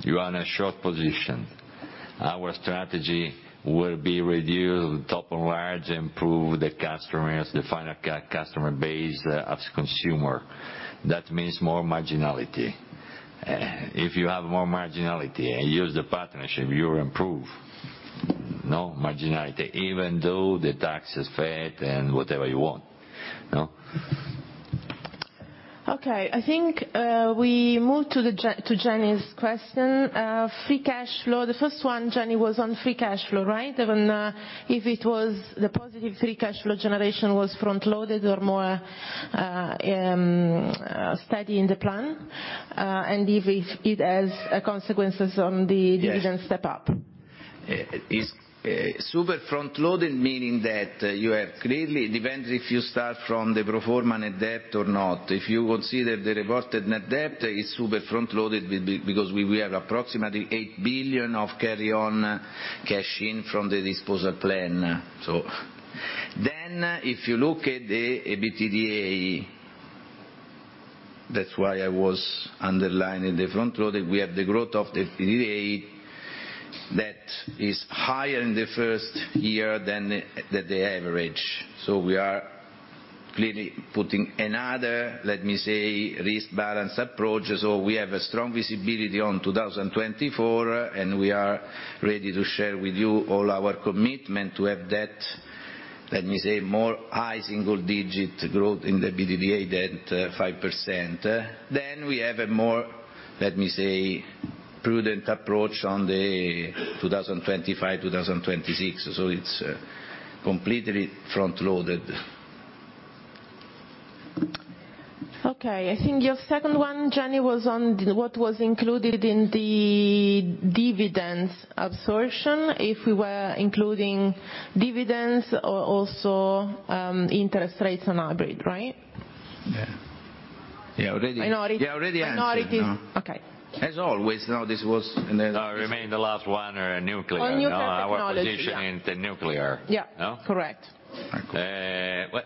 You are in a short position. Our strategy will be reduced top and large, improve the customers, the final customer base as consumer. That means more marginality. If you have more marginality and use the partnership, you will improve. No marginality, even though the tax is fed and whatever you want, no? Okay, I think we move to Jenny's question. Free cash flow. The first one, Jenny, was on free cash flow, right? Even if it was the positive free cash flow generation was front-loaded or more steady in the plan, and if it has consequences on the dividend step up. Yes It's super front-loaded, meaning that you have clearly it depends if you start from the Pro Forma Net Debt or not. If you consider the reported net debt, it's super front-loaded because we have approximately 8 billion of carry-on cash in from the disposal plan. So then if you look at the EBITDA, that's why I was underlining the front load, we have the growth of the EBITDA that is higher in the first year than the average. So we are clearly putting another, let me say, risk balance approach. So we have a strong visibility on 2024, and we are ready to share with you all our commitment to have that, let me say, more high single digit growth in the EBITDA than 5%. Then we have a more, let me say, prudent approach on the 2025, 2026. So it's completely front-loaded. Okay, I think your second one, Jenny, was on what was included in the dividends absorption, if we were including dividends or also interest rates on hybrid, right? Yeah, already answered. I know it is. Okay. As always, now, this was Remain the last one, nuclear. On nuclear technology, yeah. Our position in the nuclear. Yeah. No? Correct. Well,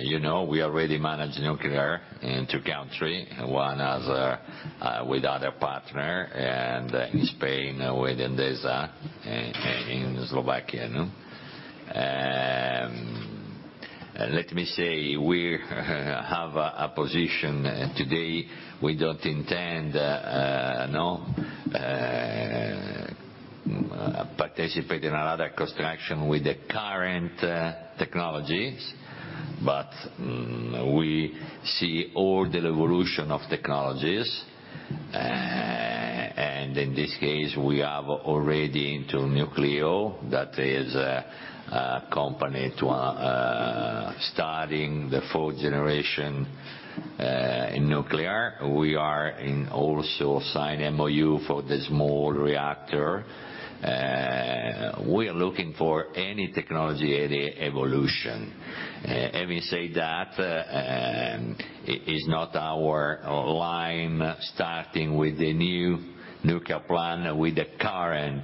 you know, we already manage nuclear in two countries. One as a with other partner, and in Spain, with Endesa, in Slovakia, no? Let me say, we have a position today. We don't intend to participate in another construction with the current technologies, but we see all the revolution of technologies, and in this case, we are already into nuclear. That is a company to starting the fourth generation in nuclear. We are in also sign MOU for the small reactor. We are looking for any technology, any evolution. Having said that, it is not our line, starting with the new nuclear plant, with the current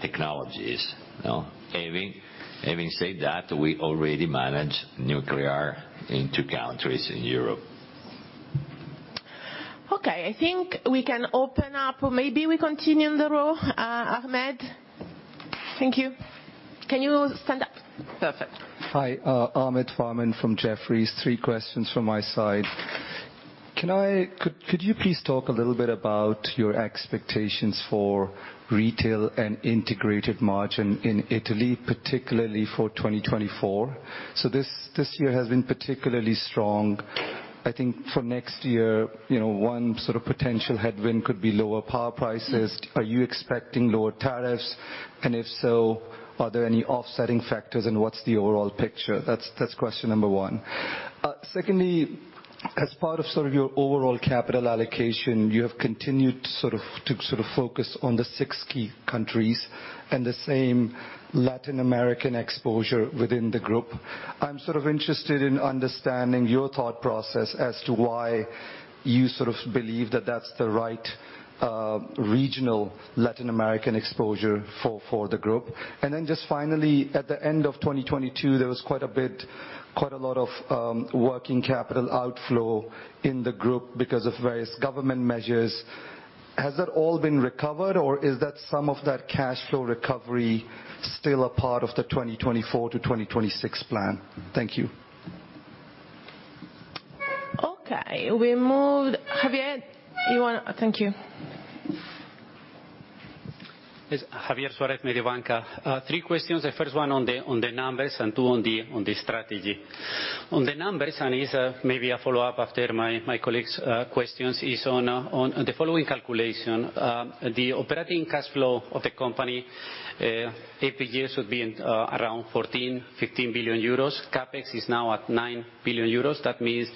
technologies, no? Having said that, we already manage nuclear in two countries in Europe. Okay, I think we can open up, or maybe we continue in the row. Ahmed? Thank you. Can you stand up? Perfect. Hi, Ahmed Farman from Jefferies. Three questions from my side. Could you please talk a little bit about your expectations for retail and integrated margin in Italy, particularly for 2024? So this year has been particularly strong. I think for next year, you know, one sort of potential headwind could be lower power prices. Are you expecting lower tariffs? And if so, are there any offsetting factors, and what's the overall picture? That's question number one. Secondly, as part of sort of your overall capital allocation, you have continued sort of, to sort of focus on the six key countries and the same Latin American exposure within the group. I'm sort of interested in understanding your thought process as to why you sort of believe that that's the right, regional Latin American exposure for the group. Then just finally, at the end of 2022, there was quite a bit, quite a lot of working capital outflow in the group because of various government measures. Has that all been recovered, or is that some of that cash flow recovery still a part of the 2024 to 2026 plan? Thank you. Okay, we move. Javier, you wanna? Thank you. Yes, Javier Suarez, Mediobanca. Three questions. The first one on the, on the numbers, and two on the, on the strategy. On the numbers, and is, maybe a follow-up after my, my colleagues', questions, is on, on the following calculation. The operating cash flow of the company, every year should be, around 14 billion-15 billion euros. CapEx is now at 9 billion euros. That means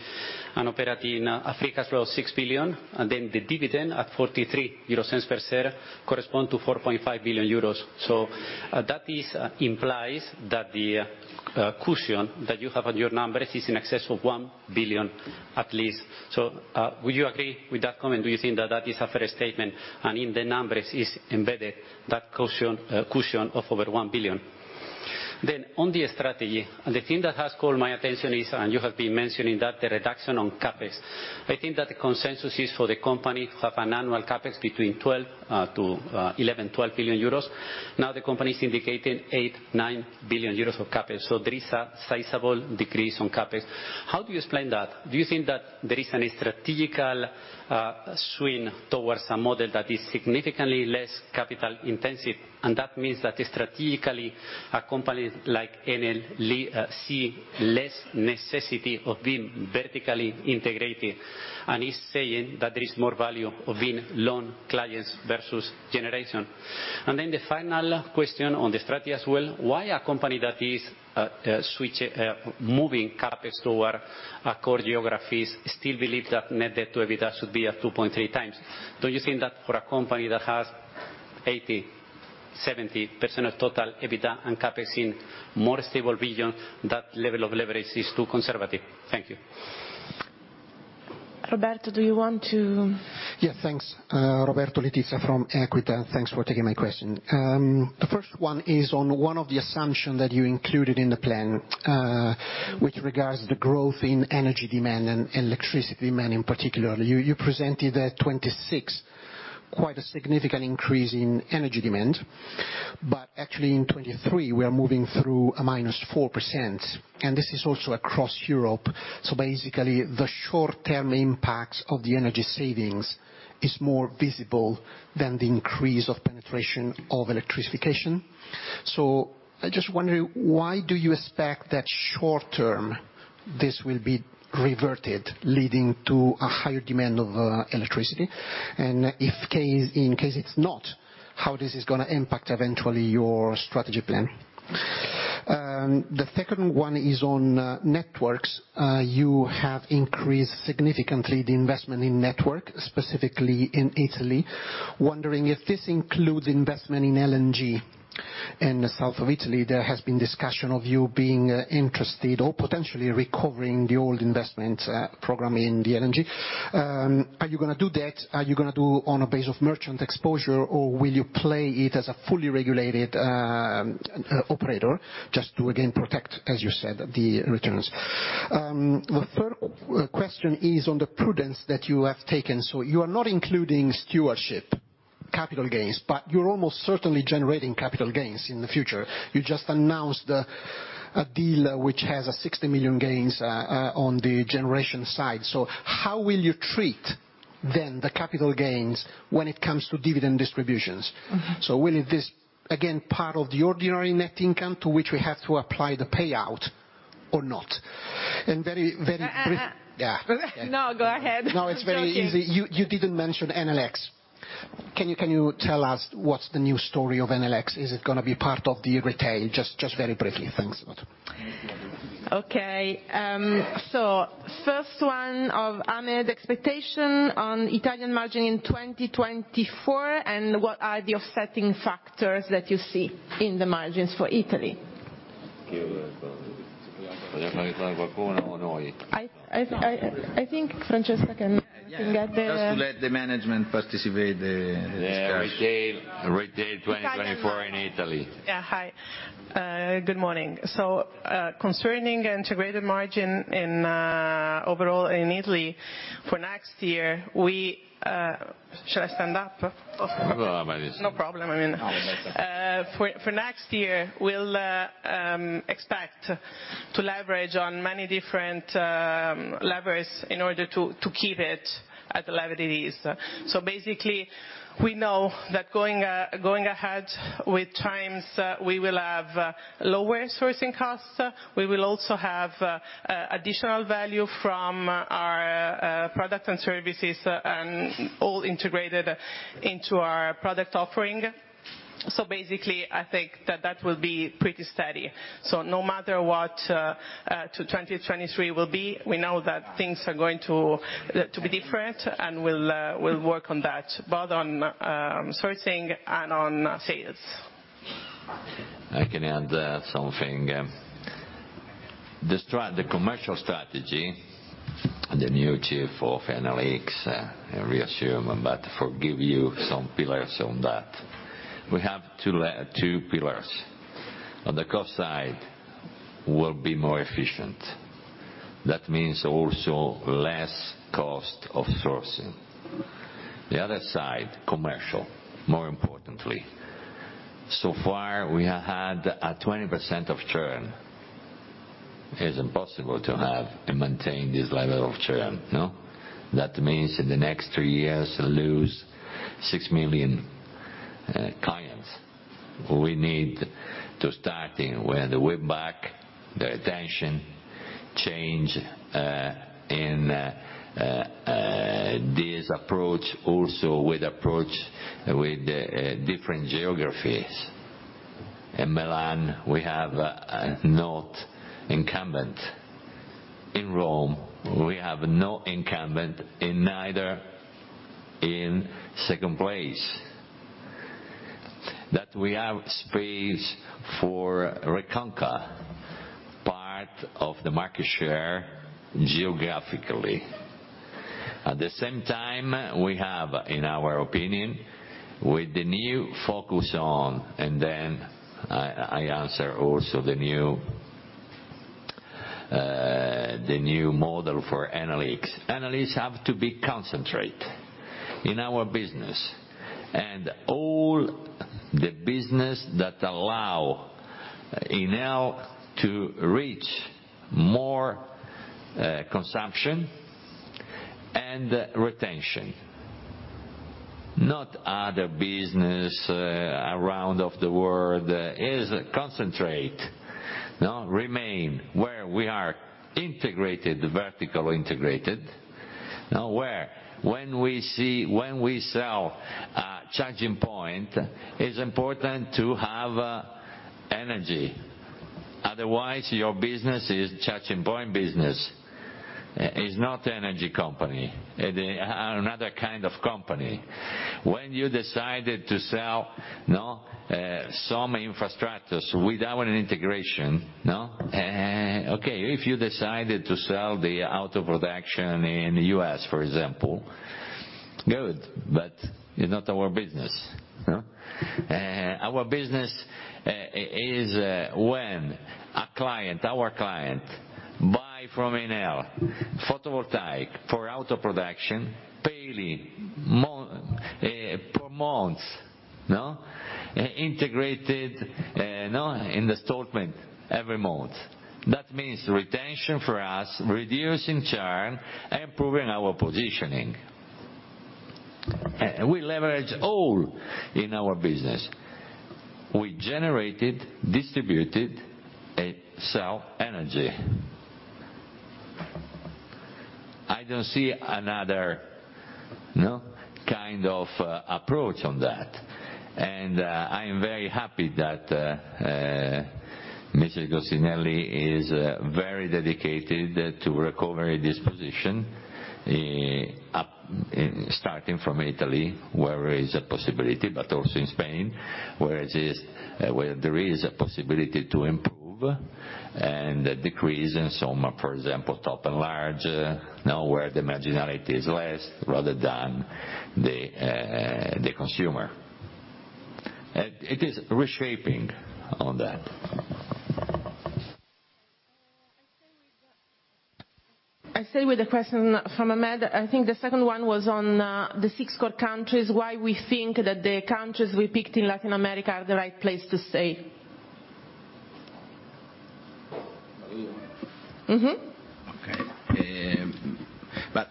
an operating, free cash flow of 6 billion, and then the dividend at 0.43 per share correspond to 4.5 billion euros. So, that is, implies that the, cushion that you have on your numbers is in excess of 1 billion at least. So, would you agree with that comment? Do you think that that is a fair statement, and in the numbers is embedded that cushion, cushion of over 1 billion? Then on the strategy, the thing that has caught my attention is, and you have been mentioning that, the reduction on CapEx. I think that the consensus is for the company to have an annual CapEx between 11 billion and 12 billion euros. Now the company is indicating 8 billion-9 billion euros of CapEx, so there is a sizable decrease on CapEx. How do you explain that? Do you think that there is any strategic swing towards a model that is significantly less capital intensive, and that means that strategically, a company like Enel see less necessity of being vertically integrated, and is saying that there is more value of being lone clients versus generation? Then the final question on the strategy as well, why a company that is moving CapEx toward core geographies still believe that net debt to EBITDA should be at 2.3x? Don't you think that for a company that has 80%-70% of total EBITDA and CapEx in more stable region, that level of leverage is too conservative? Thank you. Roberto, do you want to? Yeah, thanks. Roberto Letizia from Equita. Thanks for taking my question. The first one is on one of the assumption that you included in the plan, with regards to the growth in energy demand and electricity demand in particular. You, you presented at 26, quite a significant increase in energy demand, but actually in 23, we are moving through a -4%, and this is also across Europe. So basically, the short-term impacts of the energy savings is more visible than the increase of penetration of electrification. So I just wonder, why do you expect that short term, this will be reverted, leading to a higher demand of, electricity? And if case, in case it's not, how this is gonna impact eventually your strategy plan? The second one is on, networks. You have increased significantly the investment in network, specifically in Italy. Wondering if this includes investment in LNG. In the south of Italy, there has been discussion of you being interested or potentially recovering the old investment program in the LNG. Are you gonna do that? Are you gonna do on a base of merchant exposure, or will you play it as a fully regulated operator, just to again, protect, as you said, the returns? The third question is on the prudence that you have taken. So you are not including stewardship capital gains, but you're almost certainly generating capital gains in the future. You just announced a deal which has 60 million gains on the generation side. So how will you treat then, the capital gains when it comes to dividend distributions? So will this, again, part of the ordinary net income to which we have to apply the payout or not? And very, very. Yeah. No, go ahead. No, it's very easy. Joking. You didn't mention Enel X. Can you tell us what's the new story of Enel X? Is it gonna be part of the retail? Just very briefly. Thanks a lot. Okay, so first one of Ahmed, expectation on Italian margin in 2024, and what are the offsetting factors that you see in the margins for Italy? I think Francesca can get the. Just to let the management participate in the discussion. Yeah, retail, retail 2024 in Italy. Yeah. Hi, good morning. So, concerning integrated margin in overall in Italy, for next year. Shall I stand up? Uh, maybe. No problem, I mean. No. For next year, we'll expect to leverage on many different levers in order to keep it at the level it is. So basically, we know that going ahead with times, we will have lower sourcing costs. We will also have additional value from our product and services, and all integrated into our product offering. So basically, I think that that will be pretty steady. So no matter what, to 2023 will be, we know that things are going to be different, and we'll work on that, both on sourcing and on sales. I can add something. The commercial strategy, the new Chief of Enel X, resume, but forgive you some pillars on that. We have two pillars. On the cost side, we'll be more efficient. That means also less cost of sourcing. The other side, commercial, more importantly. So far, we have had a 20% of churn. It's impossible to have and maintain this level of churn, no? That means in the next three years, lose 6 million clients. We need to starting with the way back, the attention, change in this approach, also with approach with the different geographies. In Milan, we have not incumbent. In Rome, we have no incumbent in either in second place. That we have space for reconquer of the market share geographically. At the same time, we have, in our opinion, with the new focus on, and then I answer also the new model for analysts. Analysts have to be concentrate in our business, and all the business that allow Enel to reach more consumption and retention, not other business around of the world, is concentrate, no? Remain where we are integrated, vertically integrated. Now, when we see, when we sell a charging point, it's important to have energy. Otherwise, your business is charging point business is not energy company, it another kind of company. When you decided to sell, no, some infrastructures without an integration, no? Okay, if you decided to sell the auto production in the U.S., for example, good, but it's not our business, no? Our business is, when a client, our client, buy from Enel photovoltaic for auto production, paying per month, no? Integrated, no, in installment every month. That means retention for us, reducing churn, improving our positioning. We leverage all in our business. We generated, distributed, and sell energy. I don't see another, no, kind of approach on that, and I am very happy that Mrs. Gostinelli is very dedicated to recovery this position up, in starting from Italy, where is a possibility, but also in Spain, where there is a possibility to improve and decrease in some, for example, top and large, now, where the marginality is less, rather than the consumer. It is reshaping on that. I stay with the question from Ahmed. I think the second one was on the six core countries, why we think that the countries we picked in Latin America are the right place to stay? Okay, but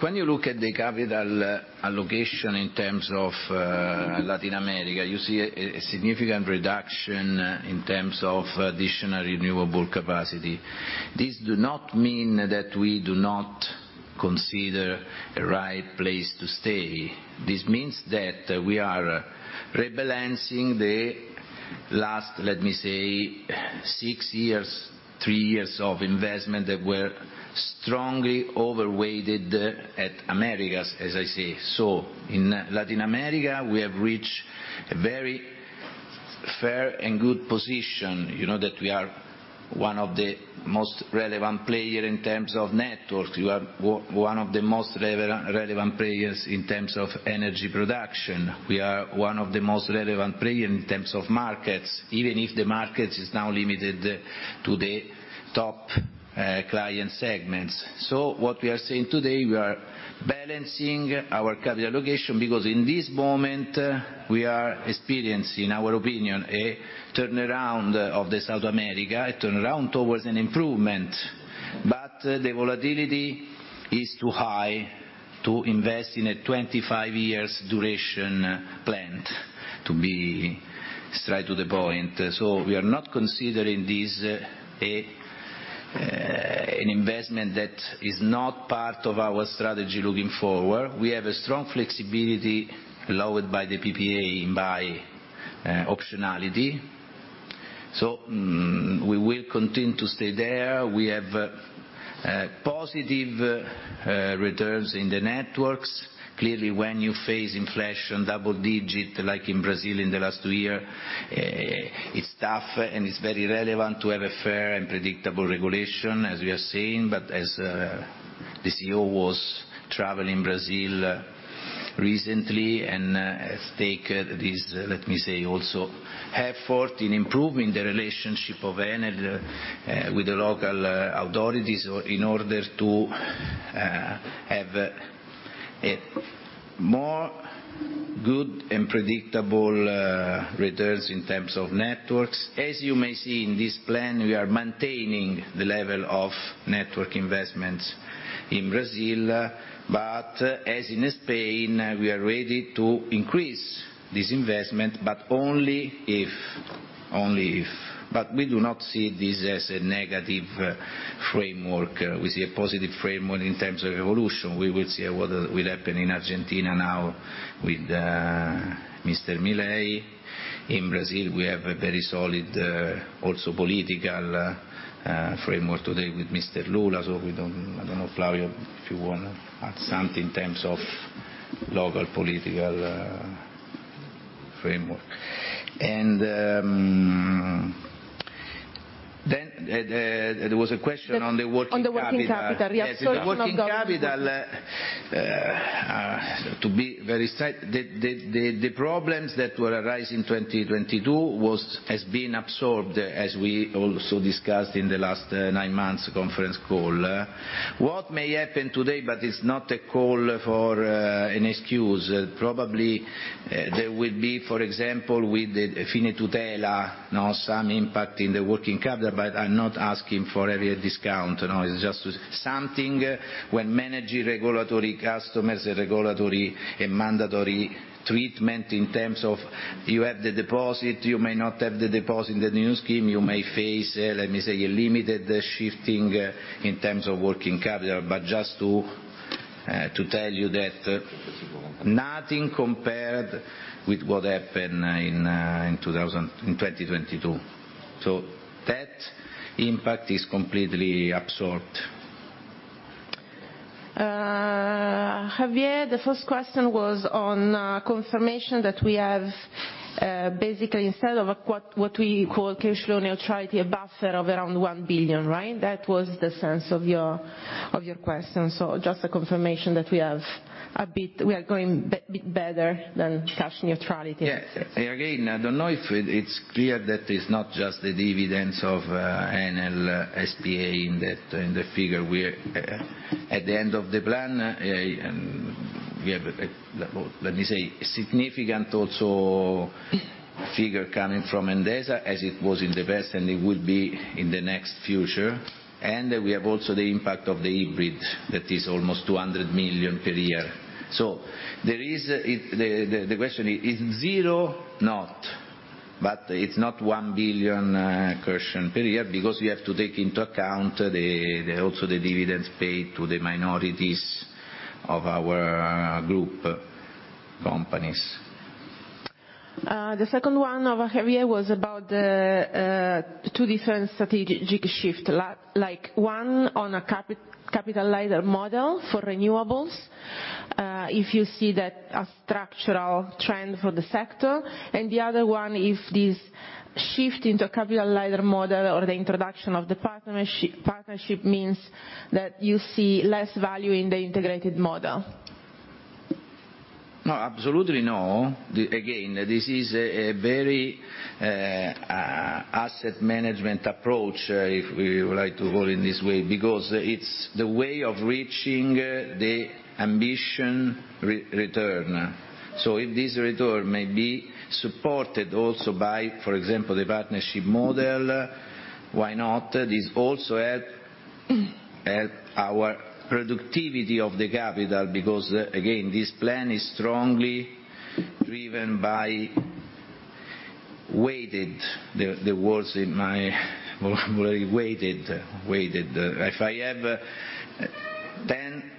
when you look at the capital allocation in terms of Latin America, you see a significant reduction in terms of additional renewable capacity. This do not mean that we do not consider a right place to stay. This means that we are rebalancing the last, let me say, six years, three years of investment that were strongly overweighted at Americas, as I say. So in Latin America, we have reached a very fair and good position, you know, that we are one of the most relevant player in terms of network. We are one of the most relevant players in terms of energy production. We are one of the most relevant player in terms of markets, even if the market is now limited to the top client segments. So what we are saying today, we are balancing our capital allocation because in this moment, we are experiencing, in our opinion, a turnaround of the South America, a turnaround towards an improvement. But the volatility is too high to invest in a 25-year duration plan, to be straight to the point. So we are not considering this an investment that is not part of our strategy looking forward. We have a strong flexibility allowed by the PPA, by optionality, so, we will continue to stay there. We have positive returns in the networks. Clearly, when you face double-digit inflation, like in Brazil in the last two years, it's tough, and it's very relevant to have a fair and predictable regulation, as we are seeing. As the CEO was travel in Brazil recently, and take this, let me say, also effort in improving the relationship of Enel with the local authorities, or in order to have a more good and predictable returns in terms of networks. As you may see in this plan, we are maintaining the level of network investments in Brazil, but as in Spain, we are ready to increase this investment, but only if, only if. We do not see this as a negative framework. We see a positive framework in terms of evolution. We will see what will happen in Argentina now with Mr. Milei. In Brazil, we have a very solid also political framework today with Mr. Lula, so we don't, I don't know, Flavio, if you want to add something in terms of local political framework. And, then, there was a question on the working capital. On the working capital, yeah. Sorry if not. Yes, the working capital, to be very straight, the problems that were arise in 2022 was has been absorbed, as we also discussed in the last nine months conference call. What may happen today, but it's not a call for an excuse, probably there will be, for example, with the Fine Tutela, you know, some impact in the working capital, but I'm not asking for every discount, you know, it's just something when managing regulatory customers, a regulatory, a mandatory treatment in terms of you have the deposit, you may not have the deposit in the new scheme, you may face, let me say, a limited shifting in terms of working capital, but just to tell you that nothing compared with what happened in 2022. So that impact is completely absorbed. Javier, the first question was on confirmation that we have basically, instead of what we call cash flow neutrality, a buffer of around 1 billion, right? That was the sense of your question. So just a confirmation that we have a bit. We are going a bit better than cash neutrality. Yes. And again, I don't know if it's clear that it's not just the dividends of Enel S.p.A. in that, in the figure we are. At the end of the plan, and we have, let me say, significant also figure coming from Endesa, as it was in the past, and it would be in the next future. And we have also the impact of the hybrid, that is almost 200 million per year. So there is, the question, is zero? Not, but it's not 1 billion cash per year, because you have to take into account the also the dividends paid to the minorities of our group companies. The second one of Javier was about the two different strategic shift, like, one, on a capital lighter model for renewables. If you see that a structural trend for the sector, and the other one, if this shift into a capital lighter model or the introduction of the partnership means that you see less value in the integrated model. No, absolutely no. Again, this is a very asset management approach, if we would like to go in this way, because it's the way of reaching the ambitious return. So if this return may be supported also by, for example, the partnership model, why not? This also helps our productivity of the capital, because, again, this plan is strongly driven by weighted, the words in my vocabulary, weighted, weighted. If I have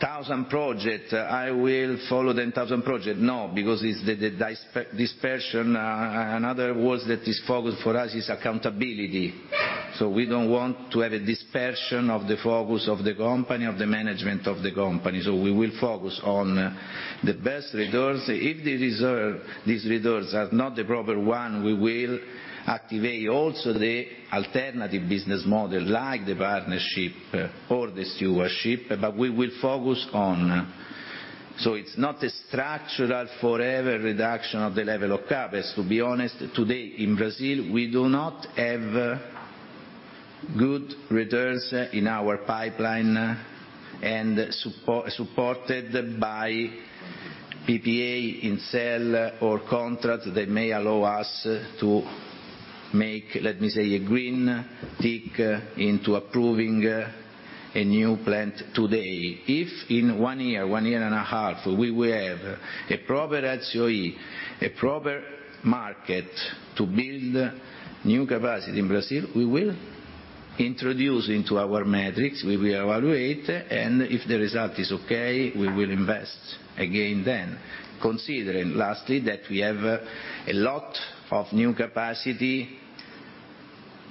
10,000 projects, I will follow 10,000 projects. No, because it's the dispersion. Another word that is focused for us is accountability. So we don't want to have a dispersion of the focus of the company, of the management of the company. So we will focus on the best returns. If the reserve, these returns are not the proper one, we will activate also the alternative business model, like the partnership or the stewardship, but we will focus on. So it's not a structural forever reduction of the level of CapEx. To be honest, today, in Brazil, we do not have good returns in our pipeline, and support, supported by PPA in sale or contract that may allow us to make, let me say, a green tick into approving a new plant today. If in one year, one year and a half, we will have a proper ROE, a proper market to build new capacity in Brazil, we will introduce into our metrics, we will evaluate, and if the result is okay, we will invest again then. Considering, lastly, that we have a lot of new capacity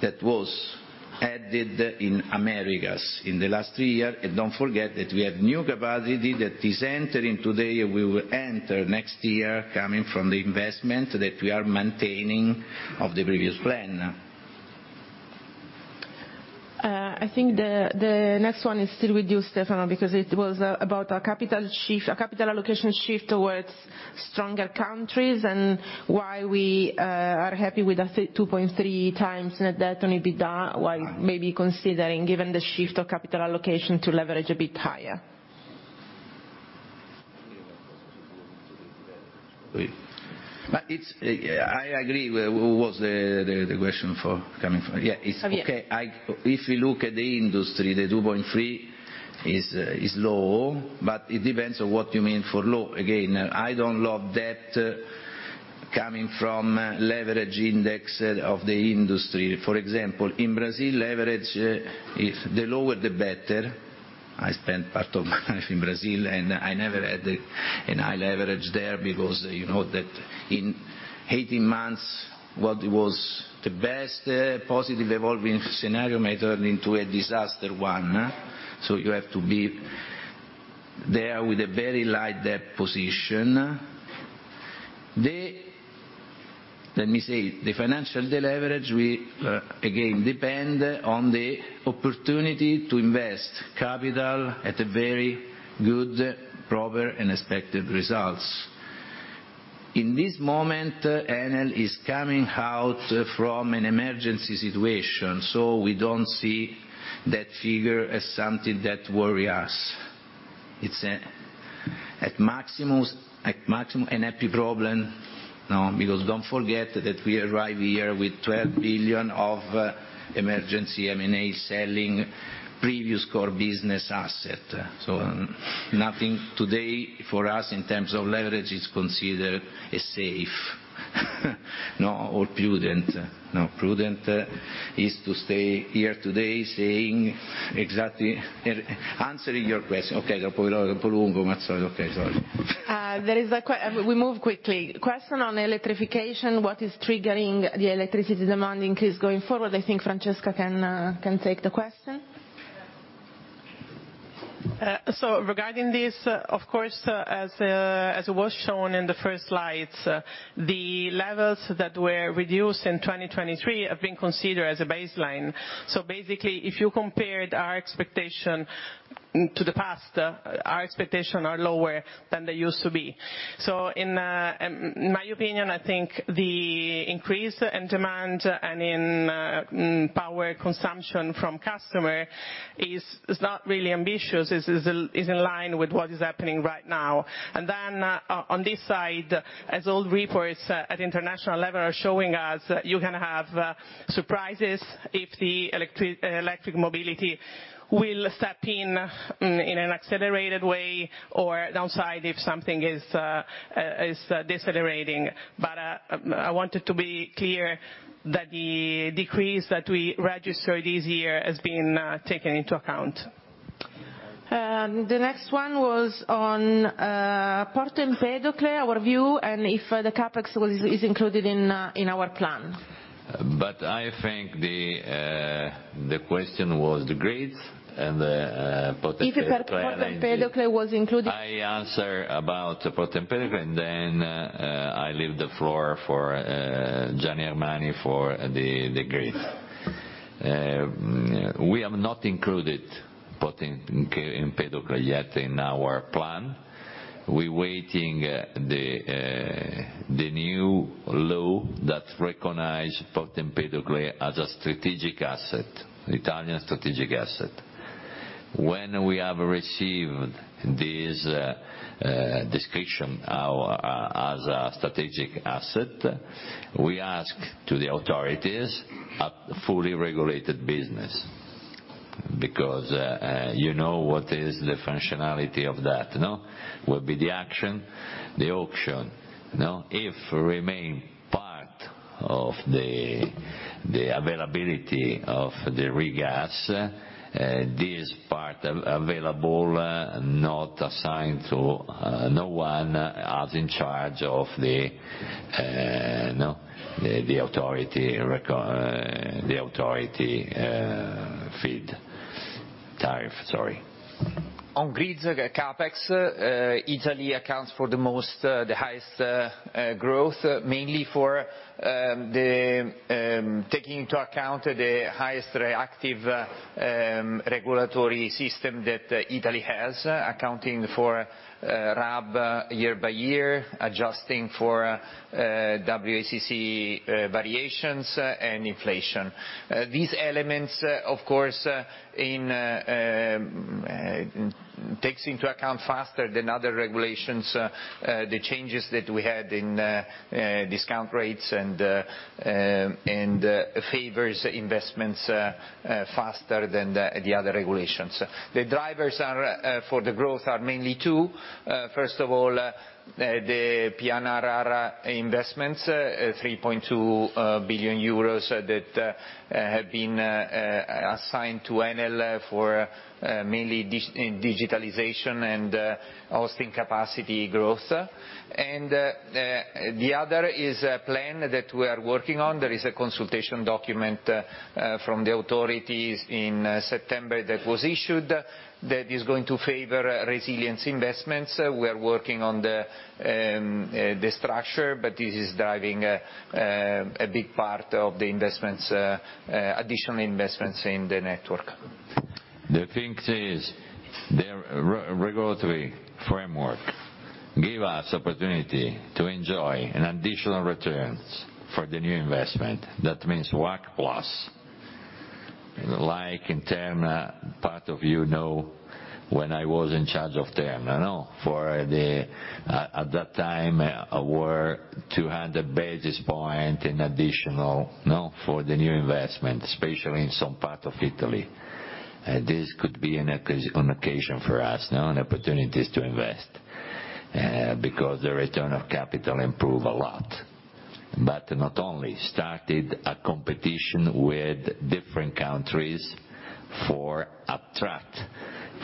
that was added in Americas in the last three years. Don't forget that we have new capacity that is entering today, and will enter next year, coming from the investment that we are maintaining of the previous plan. I think the, the next one is still with you, Stefano, because it was about a capital shift, a capital allocation shift towards stronger countries, and why we are happy with a 2.3x net debt on EBITDA, while maybe considering, given the shift of capital allocation, to leverage a bit higher. But it's, I agree. What was the question for, coming from? Yeah, it's? Javier. Okay, if we look at the industry, the 2.3 is low, but it depends on what you mean for low. Again, I don't love debt coming from leverage index of the industry. For example, in Brazil, leverage, if the lower, the better. I spent part of my life in Brazil, and I never had a high leverage there, because you know that in 18 months, what was the best positive evolving scenario may turn into a disaster one, huh? So you have to be with a very light debt position. Let me say, the financial deleverage will again depend on the opportunity to invest capital at a very good, proper, and expected results. In this moment, Enel is coming out from an emergency situation, so we don't see that figure as something that worry us. It's at maximum, at maximum, a happy problem. Now, because don't forget that we arrive here with 12 billion of emergency M&A selling previous core business asset. So nothing today for us, in terms of leverage, is considered as safe, no, or prudent. No, prudent, is to stay here today saying exactly, answering your question. Okay. We move quickly. Question on electrification, what is triggering the electricity demand increase going forward? I think Francesca can take the question. So regarding this, of course, as it was shown in the first slides, the levels that were reduced in 2023 have been considered as a baseline. So basically, if you compared our expectation to the past, our expectation are lower than they used to be. So in my opinion, I think the increase in demand and in power consumption from customer is in line with what is happening right now. And then on this side, as all reports at international level are showing us, you can have surprises if the electric mobility will step in in an accelerated way, or downside, if something is decelerating. But I wanted to be clear that the decrease that we registered this year has been taken into account. The next one was on Porto Empedocle, our view, and if the CapEx was, is included in our plan. I think the question was the grids and Porto Empedocle. If Porto Empedocle was included. I answer about Porto Empedocle, and then I leave the floor for Gianni Armani, for the grid. We have not included Porto Empedocle yet in our plan. We're waiting the new law that recognize Porto Empedocle as a strategic asset, Italian strategic asset. When we have received this description as a strategic asset, we ask to the authorities a fully regulated business. Because you know, what is the functionality of that, no? Will be the action, the auction, no? If remain part of the availability of the regas, this part available, not assigned to no one, as in charge of the, no, the authority feed. Tariff, sorry. On grids CapEx, Italy accounts for the most, the highest growth, mainly for taking into account the highest reactive regulatory system that Italy has, accounting for RAB, year-by-year, adjusting for WACC variations and inflation. These elements, of course, takes into account faster than other regulations the changes that we had in discount rates, and favors investments faster than the other regulations. The drivers for the growth are mainly two. First of all, the PNRR investments, 3.2 billion euros that have been assigned to Enel for mainly in digitalization and hosting capacity growth. And the other is a plan that we are working on. There is a consultation document from the authorities in September that was issued, that is going to favor resilience investments. We are working on the structure, but this is driving a big part of the investments, additional investments in the network. The thing is, the regulatory framework give us opportunity to enjoy an additional returns for the new investment. That means WACC plus. Like in Terna, part of you know, when I was in charge of Terna, no? For the, at that time, were 200 basis points in additional, no, for the new investment, especially in some part of Italy. This could be an occasion for us, no, an opportunities to invest, because the return of capital improve a lot. But not only, started a competition with different countries for attract,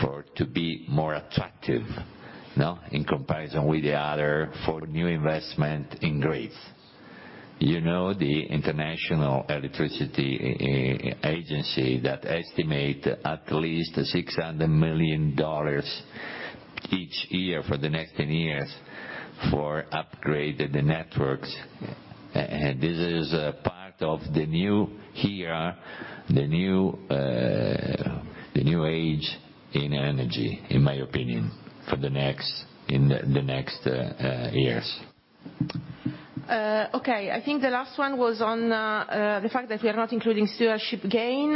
for to be more attractive, no, in comparison with the other, for new investment in grids. You know, the International Energy Agency that estimate at least $600 million each year for the next 10 years for upgrade the networks. This is a part of the new era, the new age in energy, in my opinion, for the next years. Okay, I think the last one was on the fact that we are not including stewardship gain.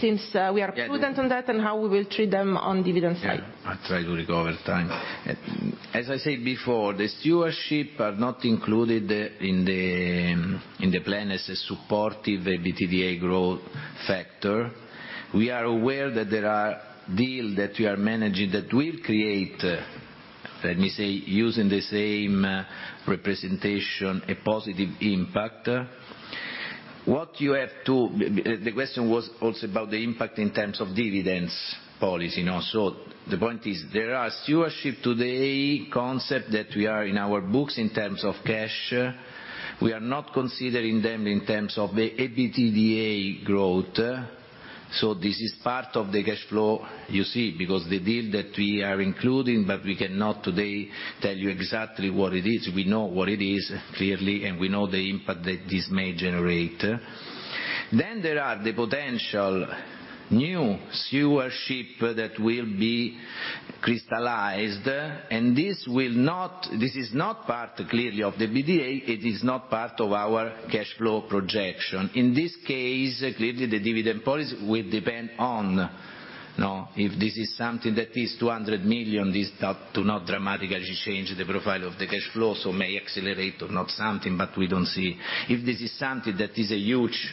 Since we are prudent on that, and how we will treat them on dividend side. Yeah, I try to recover time. As I said before, the disposals are not included in the plan as a supportive EBITDA growth factor. We are aware that there are deals that we are managing that will create, let me say, using the same representation, a positive impact. What you have to, the question was also about the impact in terms of dividend policy, no? So the point is, there are disposals today. Concept that we are in our books in terms of cash. We are not considering them in terms of the EBITDA growth, so this is part of the cash flow you see, because the deals that we are including, but we cannot today tell you exactly what it is. We know what it is, clearly, and we know the impact that this may generate. Then there are the potential new stewardship that will be crystallized, and this will not, this is not part, clearly, of the EBITDA. It is not part of our cash flow projection. In this case, clearly, the dividend policy will depend on, no, if this is something that is 200 million, this do not dramatically change the profile of the cash flow, so may accelerate or not something, but we don't see. If this is something that is a huge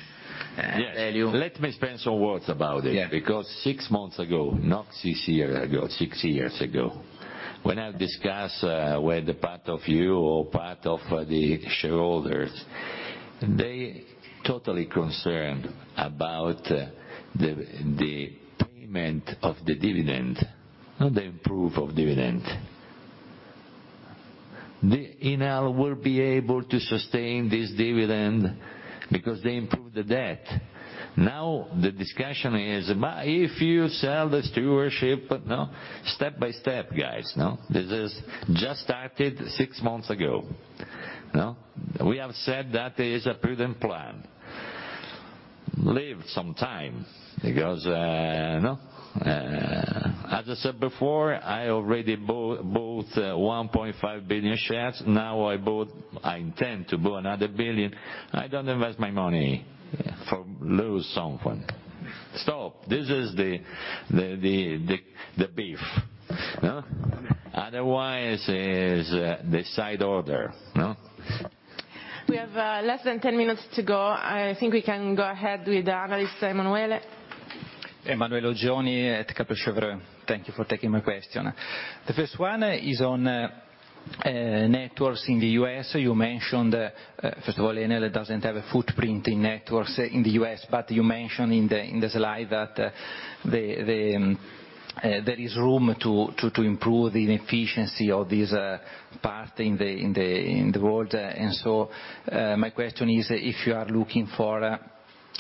value. Yes, let me spend some words about it. Yeah. Because six months ago, not six years ago, six years ago, when I discuss with the part of you or part of the shareholders, they totally concerned about the payment of the dividend, not the improve of dividend. The Enel will be able to sustain this dividend because they improve the debt. Now, the discussion is, but if you sell the stewardship, no? Step by step, guys, no? This is just started six months ago, no? We have said that is a prudent plan. Leave some time because, as I said before, I already bought 1.5 billion shares. Now I bought, I intend to buy another billion. I don't invest my money for lose something. Stop! This is the beef, no? Otherwise, is the side order, no? We have less than 10 minutes to go. I think we can go ahead with Analyst Emanuele. Emanuele Oggioni at Kepler Cheuvreux. Thank you for taking my question. The first one is on networks in the U.S. You mentioned, first of all, Enel doesn't have a footprint in networks in the U.S., but you mentioned in the slide that there is room to improve the efficiency of this part in the world. And so, my question is, if you are looking for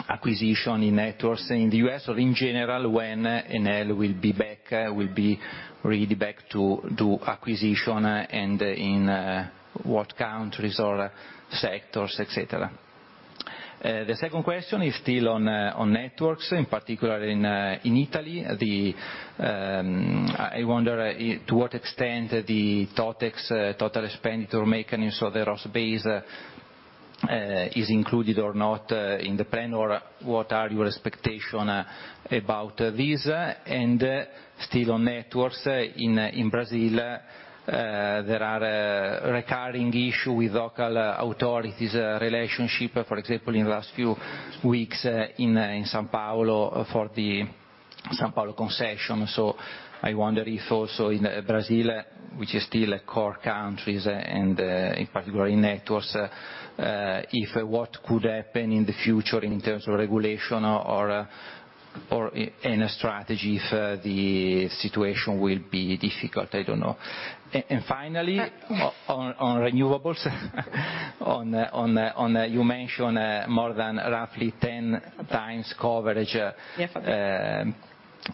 acquisition in networks in the U.S., or in general, when Enel will be back, will be really back to do acquisition, and in what countries or sectors, etc? The second question is still on networks, in particular in Italy. I wonder to what extent the TotEx, total expenditure mechanism, so the ROSS is included or not in the plan, or what are your expectation about this? And still on networks, in Brazil, there are recurring issue with local authorities' relationship, for example, in the last few weeks, in São Paulo for the São Paulo concession. So I wonder if also in Brazil, which is still a core countries and in particular in networks, if what could happen in the future in terms of regulation or in a strategy, if the situation will be difficult, I don't know. And finally, on renewables, you mentioned more than roughly 10 times coverage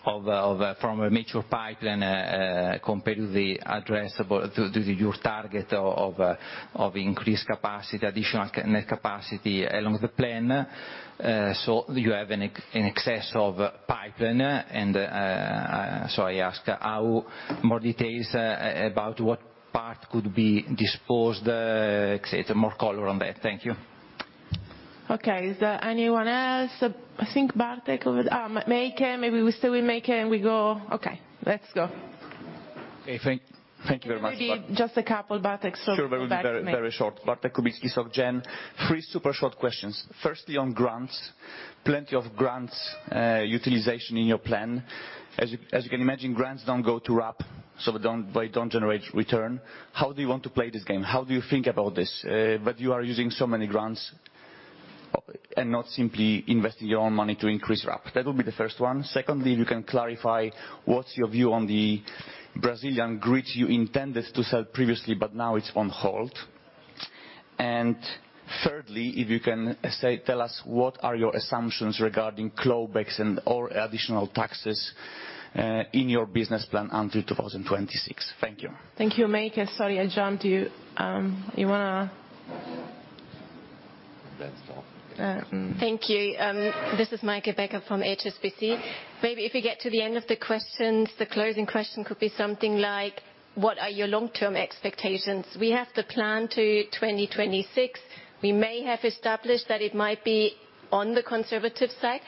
from a mature pipeline compared to the addressable, to your target of increased capacity, additional net capacity along the plan. So you have an excess of pipeline, and so I ask how more details about what part could be disposed, etc., more color on that. Thank you. Okay. Is there anyone else? I think Bartek over there. Meike, maybe we stay with Meike and we go. Okay, let's go. Hey, thank you very much. Maybe just a couple, Bartek, so come back, Meike. Sure, it will be very, very short. Bartek Kubicki of Bernstein. Three super short questions. Firstly, on grants, plenty of grants, utilization in your plan. As you, as you can imagine, grants don't go to RAB, so they don't, they don't generate return. How do you want to play this game? How do you think about this? But you are using so many grants and not simply investing your own money to increase RAB? That will be the first one. Secondly, you can clarify what's your view on the Brazilian grid you intended to sell previously, but now it's on hold. And thirdly, if you can, say, tell us what are your assumptions regarding clawbacks and or additional taxes, in your business plan until 2026? Thank you. Thank you, Meike. Sorry, I jumped you. You wanna? That's all. Thank you. This is Meike Becker from HSBC. Maybe if you get to the end of the questions, the closing question could be something like: what are your long-term expectations? We have the plan to 2026. We may have established that it might be on the conservative side,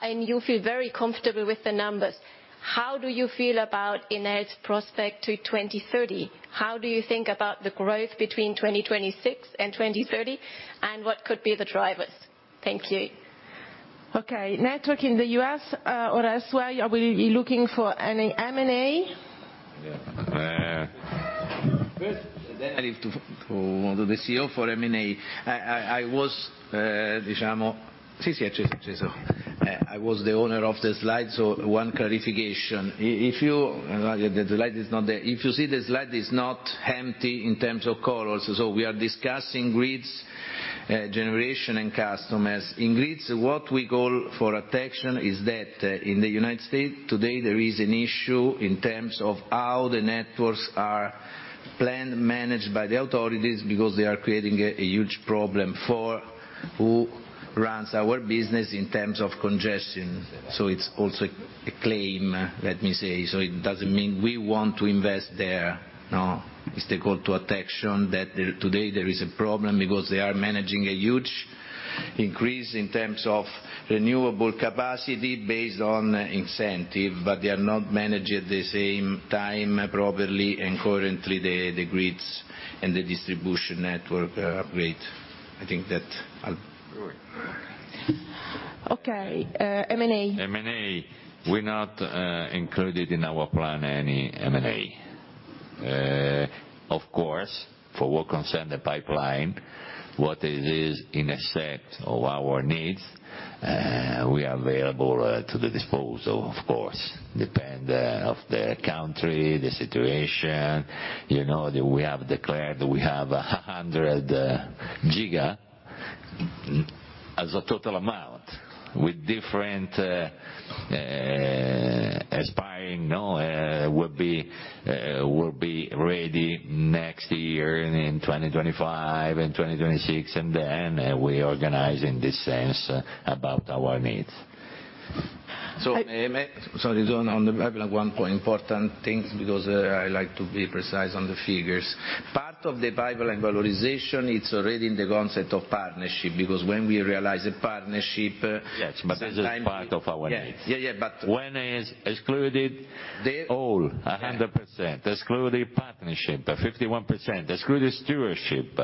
and you feel very comfortable with the numbers. How do you feel about Enel's prospect to 2030? How do you think about the growth between 2026 and 2030, and what could be the drivers? Thank you. Okay, network in the U.S., or elsewhere, are we looking for any M&A? First, then I leave to the CEO for M&A. I was the owner of the slide, so one clarification. If you see, the slide is not there. If you see, the slide is not empty in terms of colors. So we are discussing grids, generation, and customers. In grids, what we call for attention is that, in the United States today, there is an issue in terms of how the networks are planned, managed by the authorities, because they are creating a huge problem for who runs our business in terms of congestion. So it's also a claim, let me say, so it doesn't mean we want to invest there, no. It's the call to attention that there today there is a problem, because they are managing a huge increase in terms of renewable capacity based on incentive, but they are not managing at the same time properly and currently, the grids and the distribution network upgrade. Okay, M&A. M&A, we're not included in our plan any M&A. Of course, for what concern the pipeline, what it is in effect of our needs, we are available to the disposal, of course. Depends of the country, the situation, you know, that we have declared that we have 100GW as a total amount, with different aspiring will be ready next year, and in 2025 and 2026, and then we organize in this sense about our needs. So, sorry, on the pipeline, one point, important things, because I like to be precise on the figures. Part of the pipeline valorization, it's already in the concept of partnership, because when we realize a partnership, Yes, but this is part of our needs. Yeah, yeah, but. When is excluded all, 100%, excluding partnership, 51%, excluding stewardship,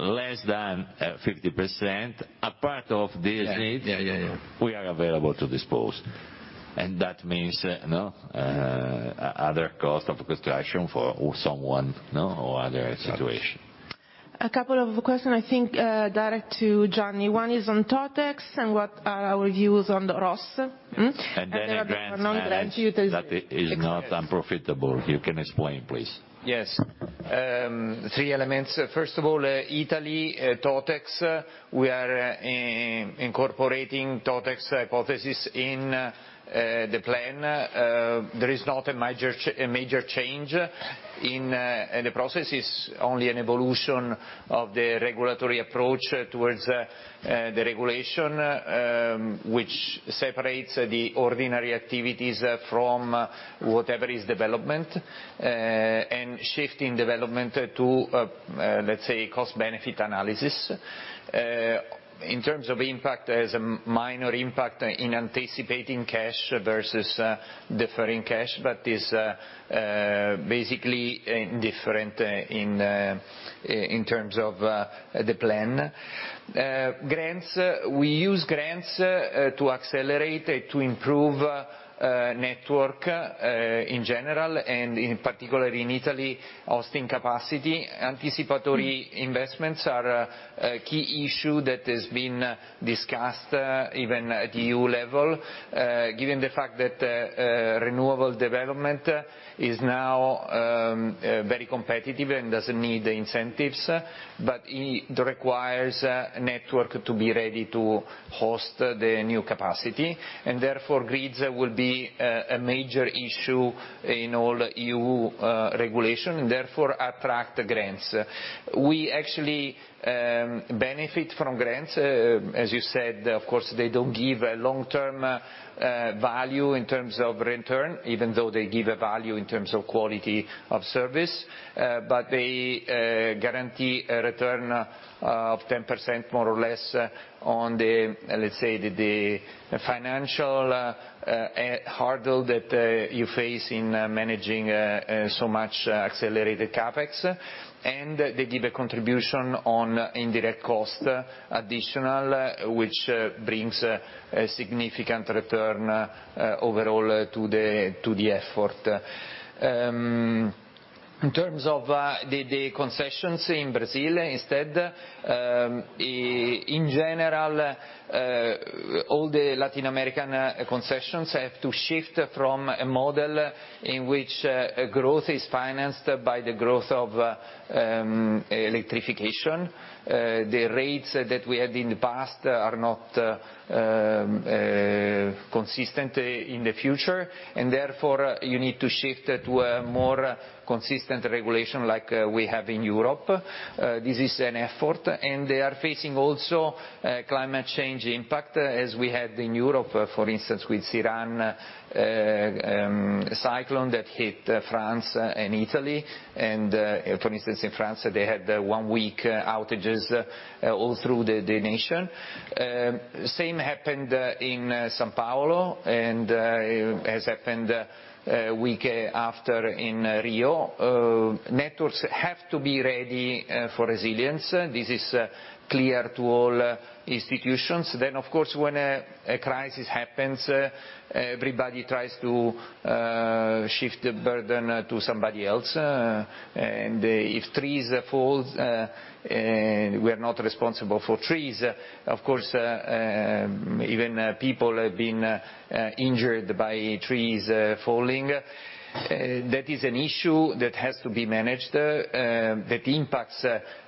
less than 50%, a part of this needs. We are available to dispose. And that means no other cost of construction for someone, no, or other situation. A couple of questions, I think, direct to Gianni. One is on TotEx, and what are our views on the Ross? And then the grants, that is not unprofitable. You can explain, please. Yes, three elements. First of all, Italy, TotEx, we are incorporating TotEx hypothesis in the plan. There is not a major change in the process. It's only an evolution of the regulatory approach towards the regulation, which separates the ordinary activities from whatever is development, and shifting development to, let's say, cost-benefit analysis. In terms of impact, there's a minor impact in anticipating cash versus deferring cash, but is basically indifferent in terms of the plan. Grants, we use grants to accelerate to improve network in general, and in particular, in Italy, hosting capacity. Anticipatory investments are a key issue that has been discussed even at EU level, given the fact that renewable development is now very competitive and doesn't need the incentives, but it requires a network to be ready to host the new capacity, and therefore, grids will be a major issue in all EU regulation, and therefore, attract grants. We actually benefit from grants. As you said, of course, they don't give a long-term value in terms of return, even though they give a value in terms of quality of service, but they guarantee a return of 10%, more or less, on the, let's say, the financial hurdle that you face in managing so much accelerated CapEx. They give a contribution on indirect cost, additional, which brings a significant return overall to the effort. In terms of the concessions in Brazil, instead, in general, all the Latin American concessions have to shift from a model in which growth is financed by the growth of electrification. The rates that we had in the past are not consistent in the future, and therefore, you need to shift to a more consistent regulation like we have in Europe. This is an effort, and they are facing also climate change impact, as we had in Europe, for instance, with Ciarán cyclone that hit France and Italy. For instance, in France, they had one-week outages all through the nation. Same happened in São Paulo, and has happened week after in Rio. Networks have to be ready for resilience. This is clear to all institutions. Then, of course, when a crisis happens, everybody tries to shift the burden to somebody else. And if trees fall, we are not responsible for trees. Of course, even people have been injured by trees falling. That is an issue that has to be managed, that impacts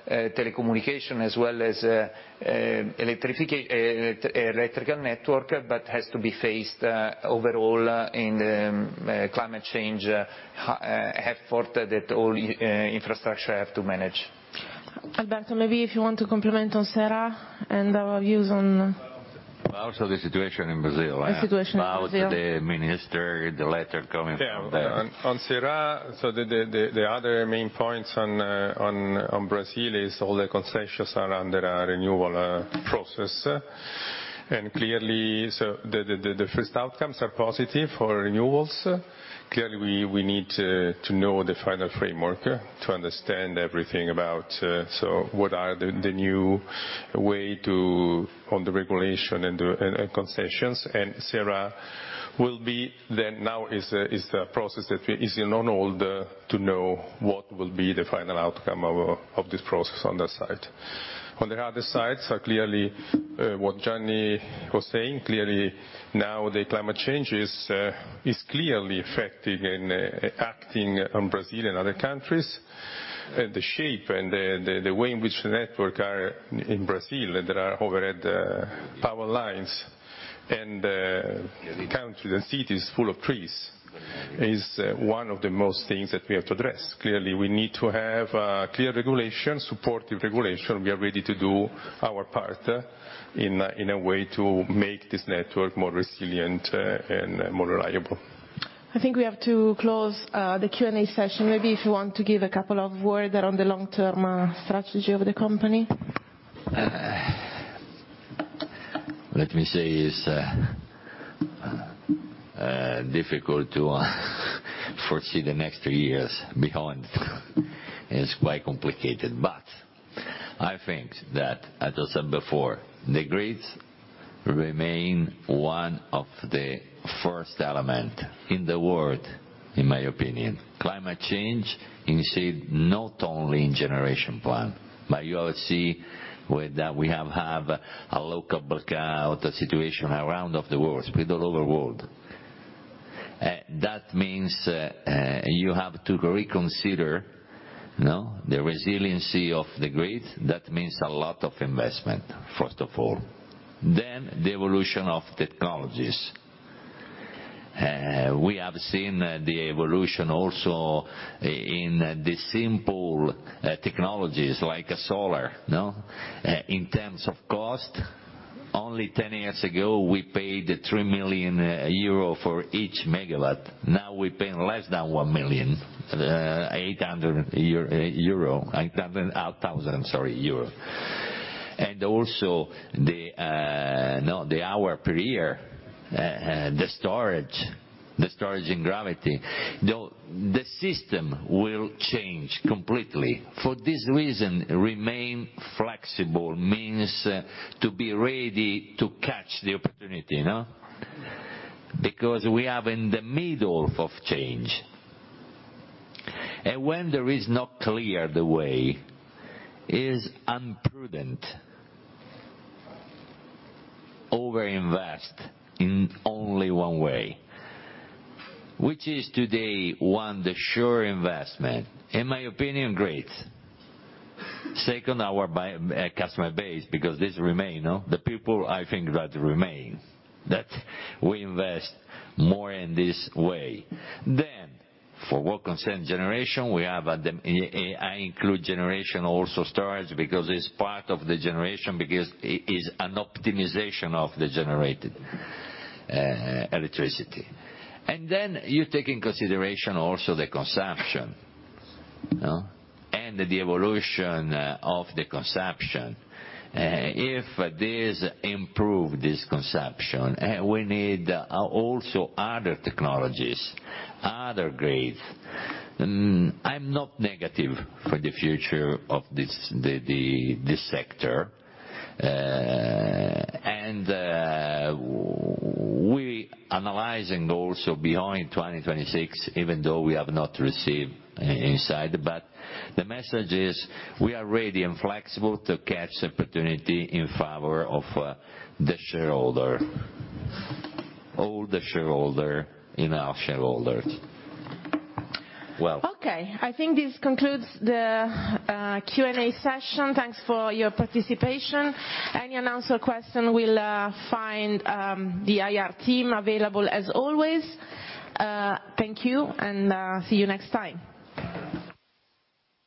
telecommunication as well as electrical network, but has to be faced overall in climate change effort that all infrastructure have to manage. Alberto, maybe if you want to comment on Ceará and our views on. Also, the situation in Brazil. The situation in Brazil. About the minister, the letter coming from there. Yeah, on Ceará, so the other main points on Brazil is all the concessions are under a renewal process. And clearly, so the first outcomes are positive for renewals. Clearly, we need to know the final framework to understand everything about, so what are the new way to on the regulation and the concessions. And Ceará will be then, now is a process that is on hold to know what will be the final outcome of this process on that side. On the other sides, so clearly, what Gianni was saying, clearly, now the climate change is clearly affecting and acting on Brazil and other countries. The shape and the way in which the network are in Brazil, that are overhead power lines, and country and cities full of trees, is one of the most things that we have to address. Clearly, we need to have clear regulation, supportive regulation. We are ready to do our part in a way to make this network more resilient and more reliable. I think we have to close the Q&A session. Maybe if you want to give a couple of words around the long-term strategy of the company. Let me say, it's difficult to foresee the next two years beyond. It's quite complicated, but I think that, as I said before, the grids remain one of the first element in the world, in my opinion. Climate change, you see, not only in generation plan, but you all see with that, we have had a local blackout, a situation around of the world, with all over world. That means, you have to reconsider, no, the resiliency of the grid. That means a lot of investment, first of all. Then, the Evolution of Technologies. We have seen the evolution also in the simple, technologies like solar, no? In terms of cost, only 10 years ago, we paid 3 million euro for each megawatt. Now, we pay less than 1,800,000 I'm sorry, euro. And also, the hour per year, the storage, the storage in gravity. The system will change completely. For this reason, remain flexible means to be ready to catch the opportunity, no? Because we are in the middle of change. And when there is not clear, the way, is imprudent over invest in only one way. Which is today, one, the sure investment? In my opinion, great. Second, our buy customer base, because this remain, no? The people, I think, that remain, that we invest more in this way. Then, for what concern generation, we have at the. I include generation, also storage, because it's part of the generation, because it is an optimization of the generated electricity. And then you take in consideration also the consumption, no? And the evolution of the consumption. If this improve this consumption, we need also other technologies, other grids. I'm not negative for the future of this sector. And we analyzing also beyond 2026, even though we have not received inside. But the message is, we are ready and flexible to catch the opportunity in favor of the shareholder, all the shareholder, in our shareholders. Well. Okay, I think this concludes the Q&A session. Thanks for your participation. Any unanswered question will find the IR team available as always. Thank you, and see you next time.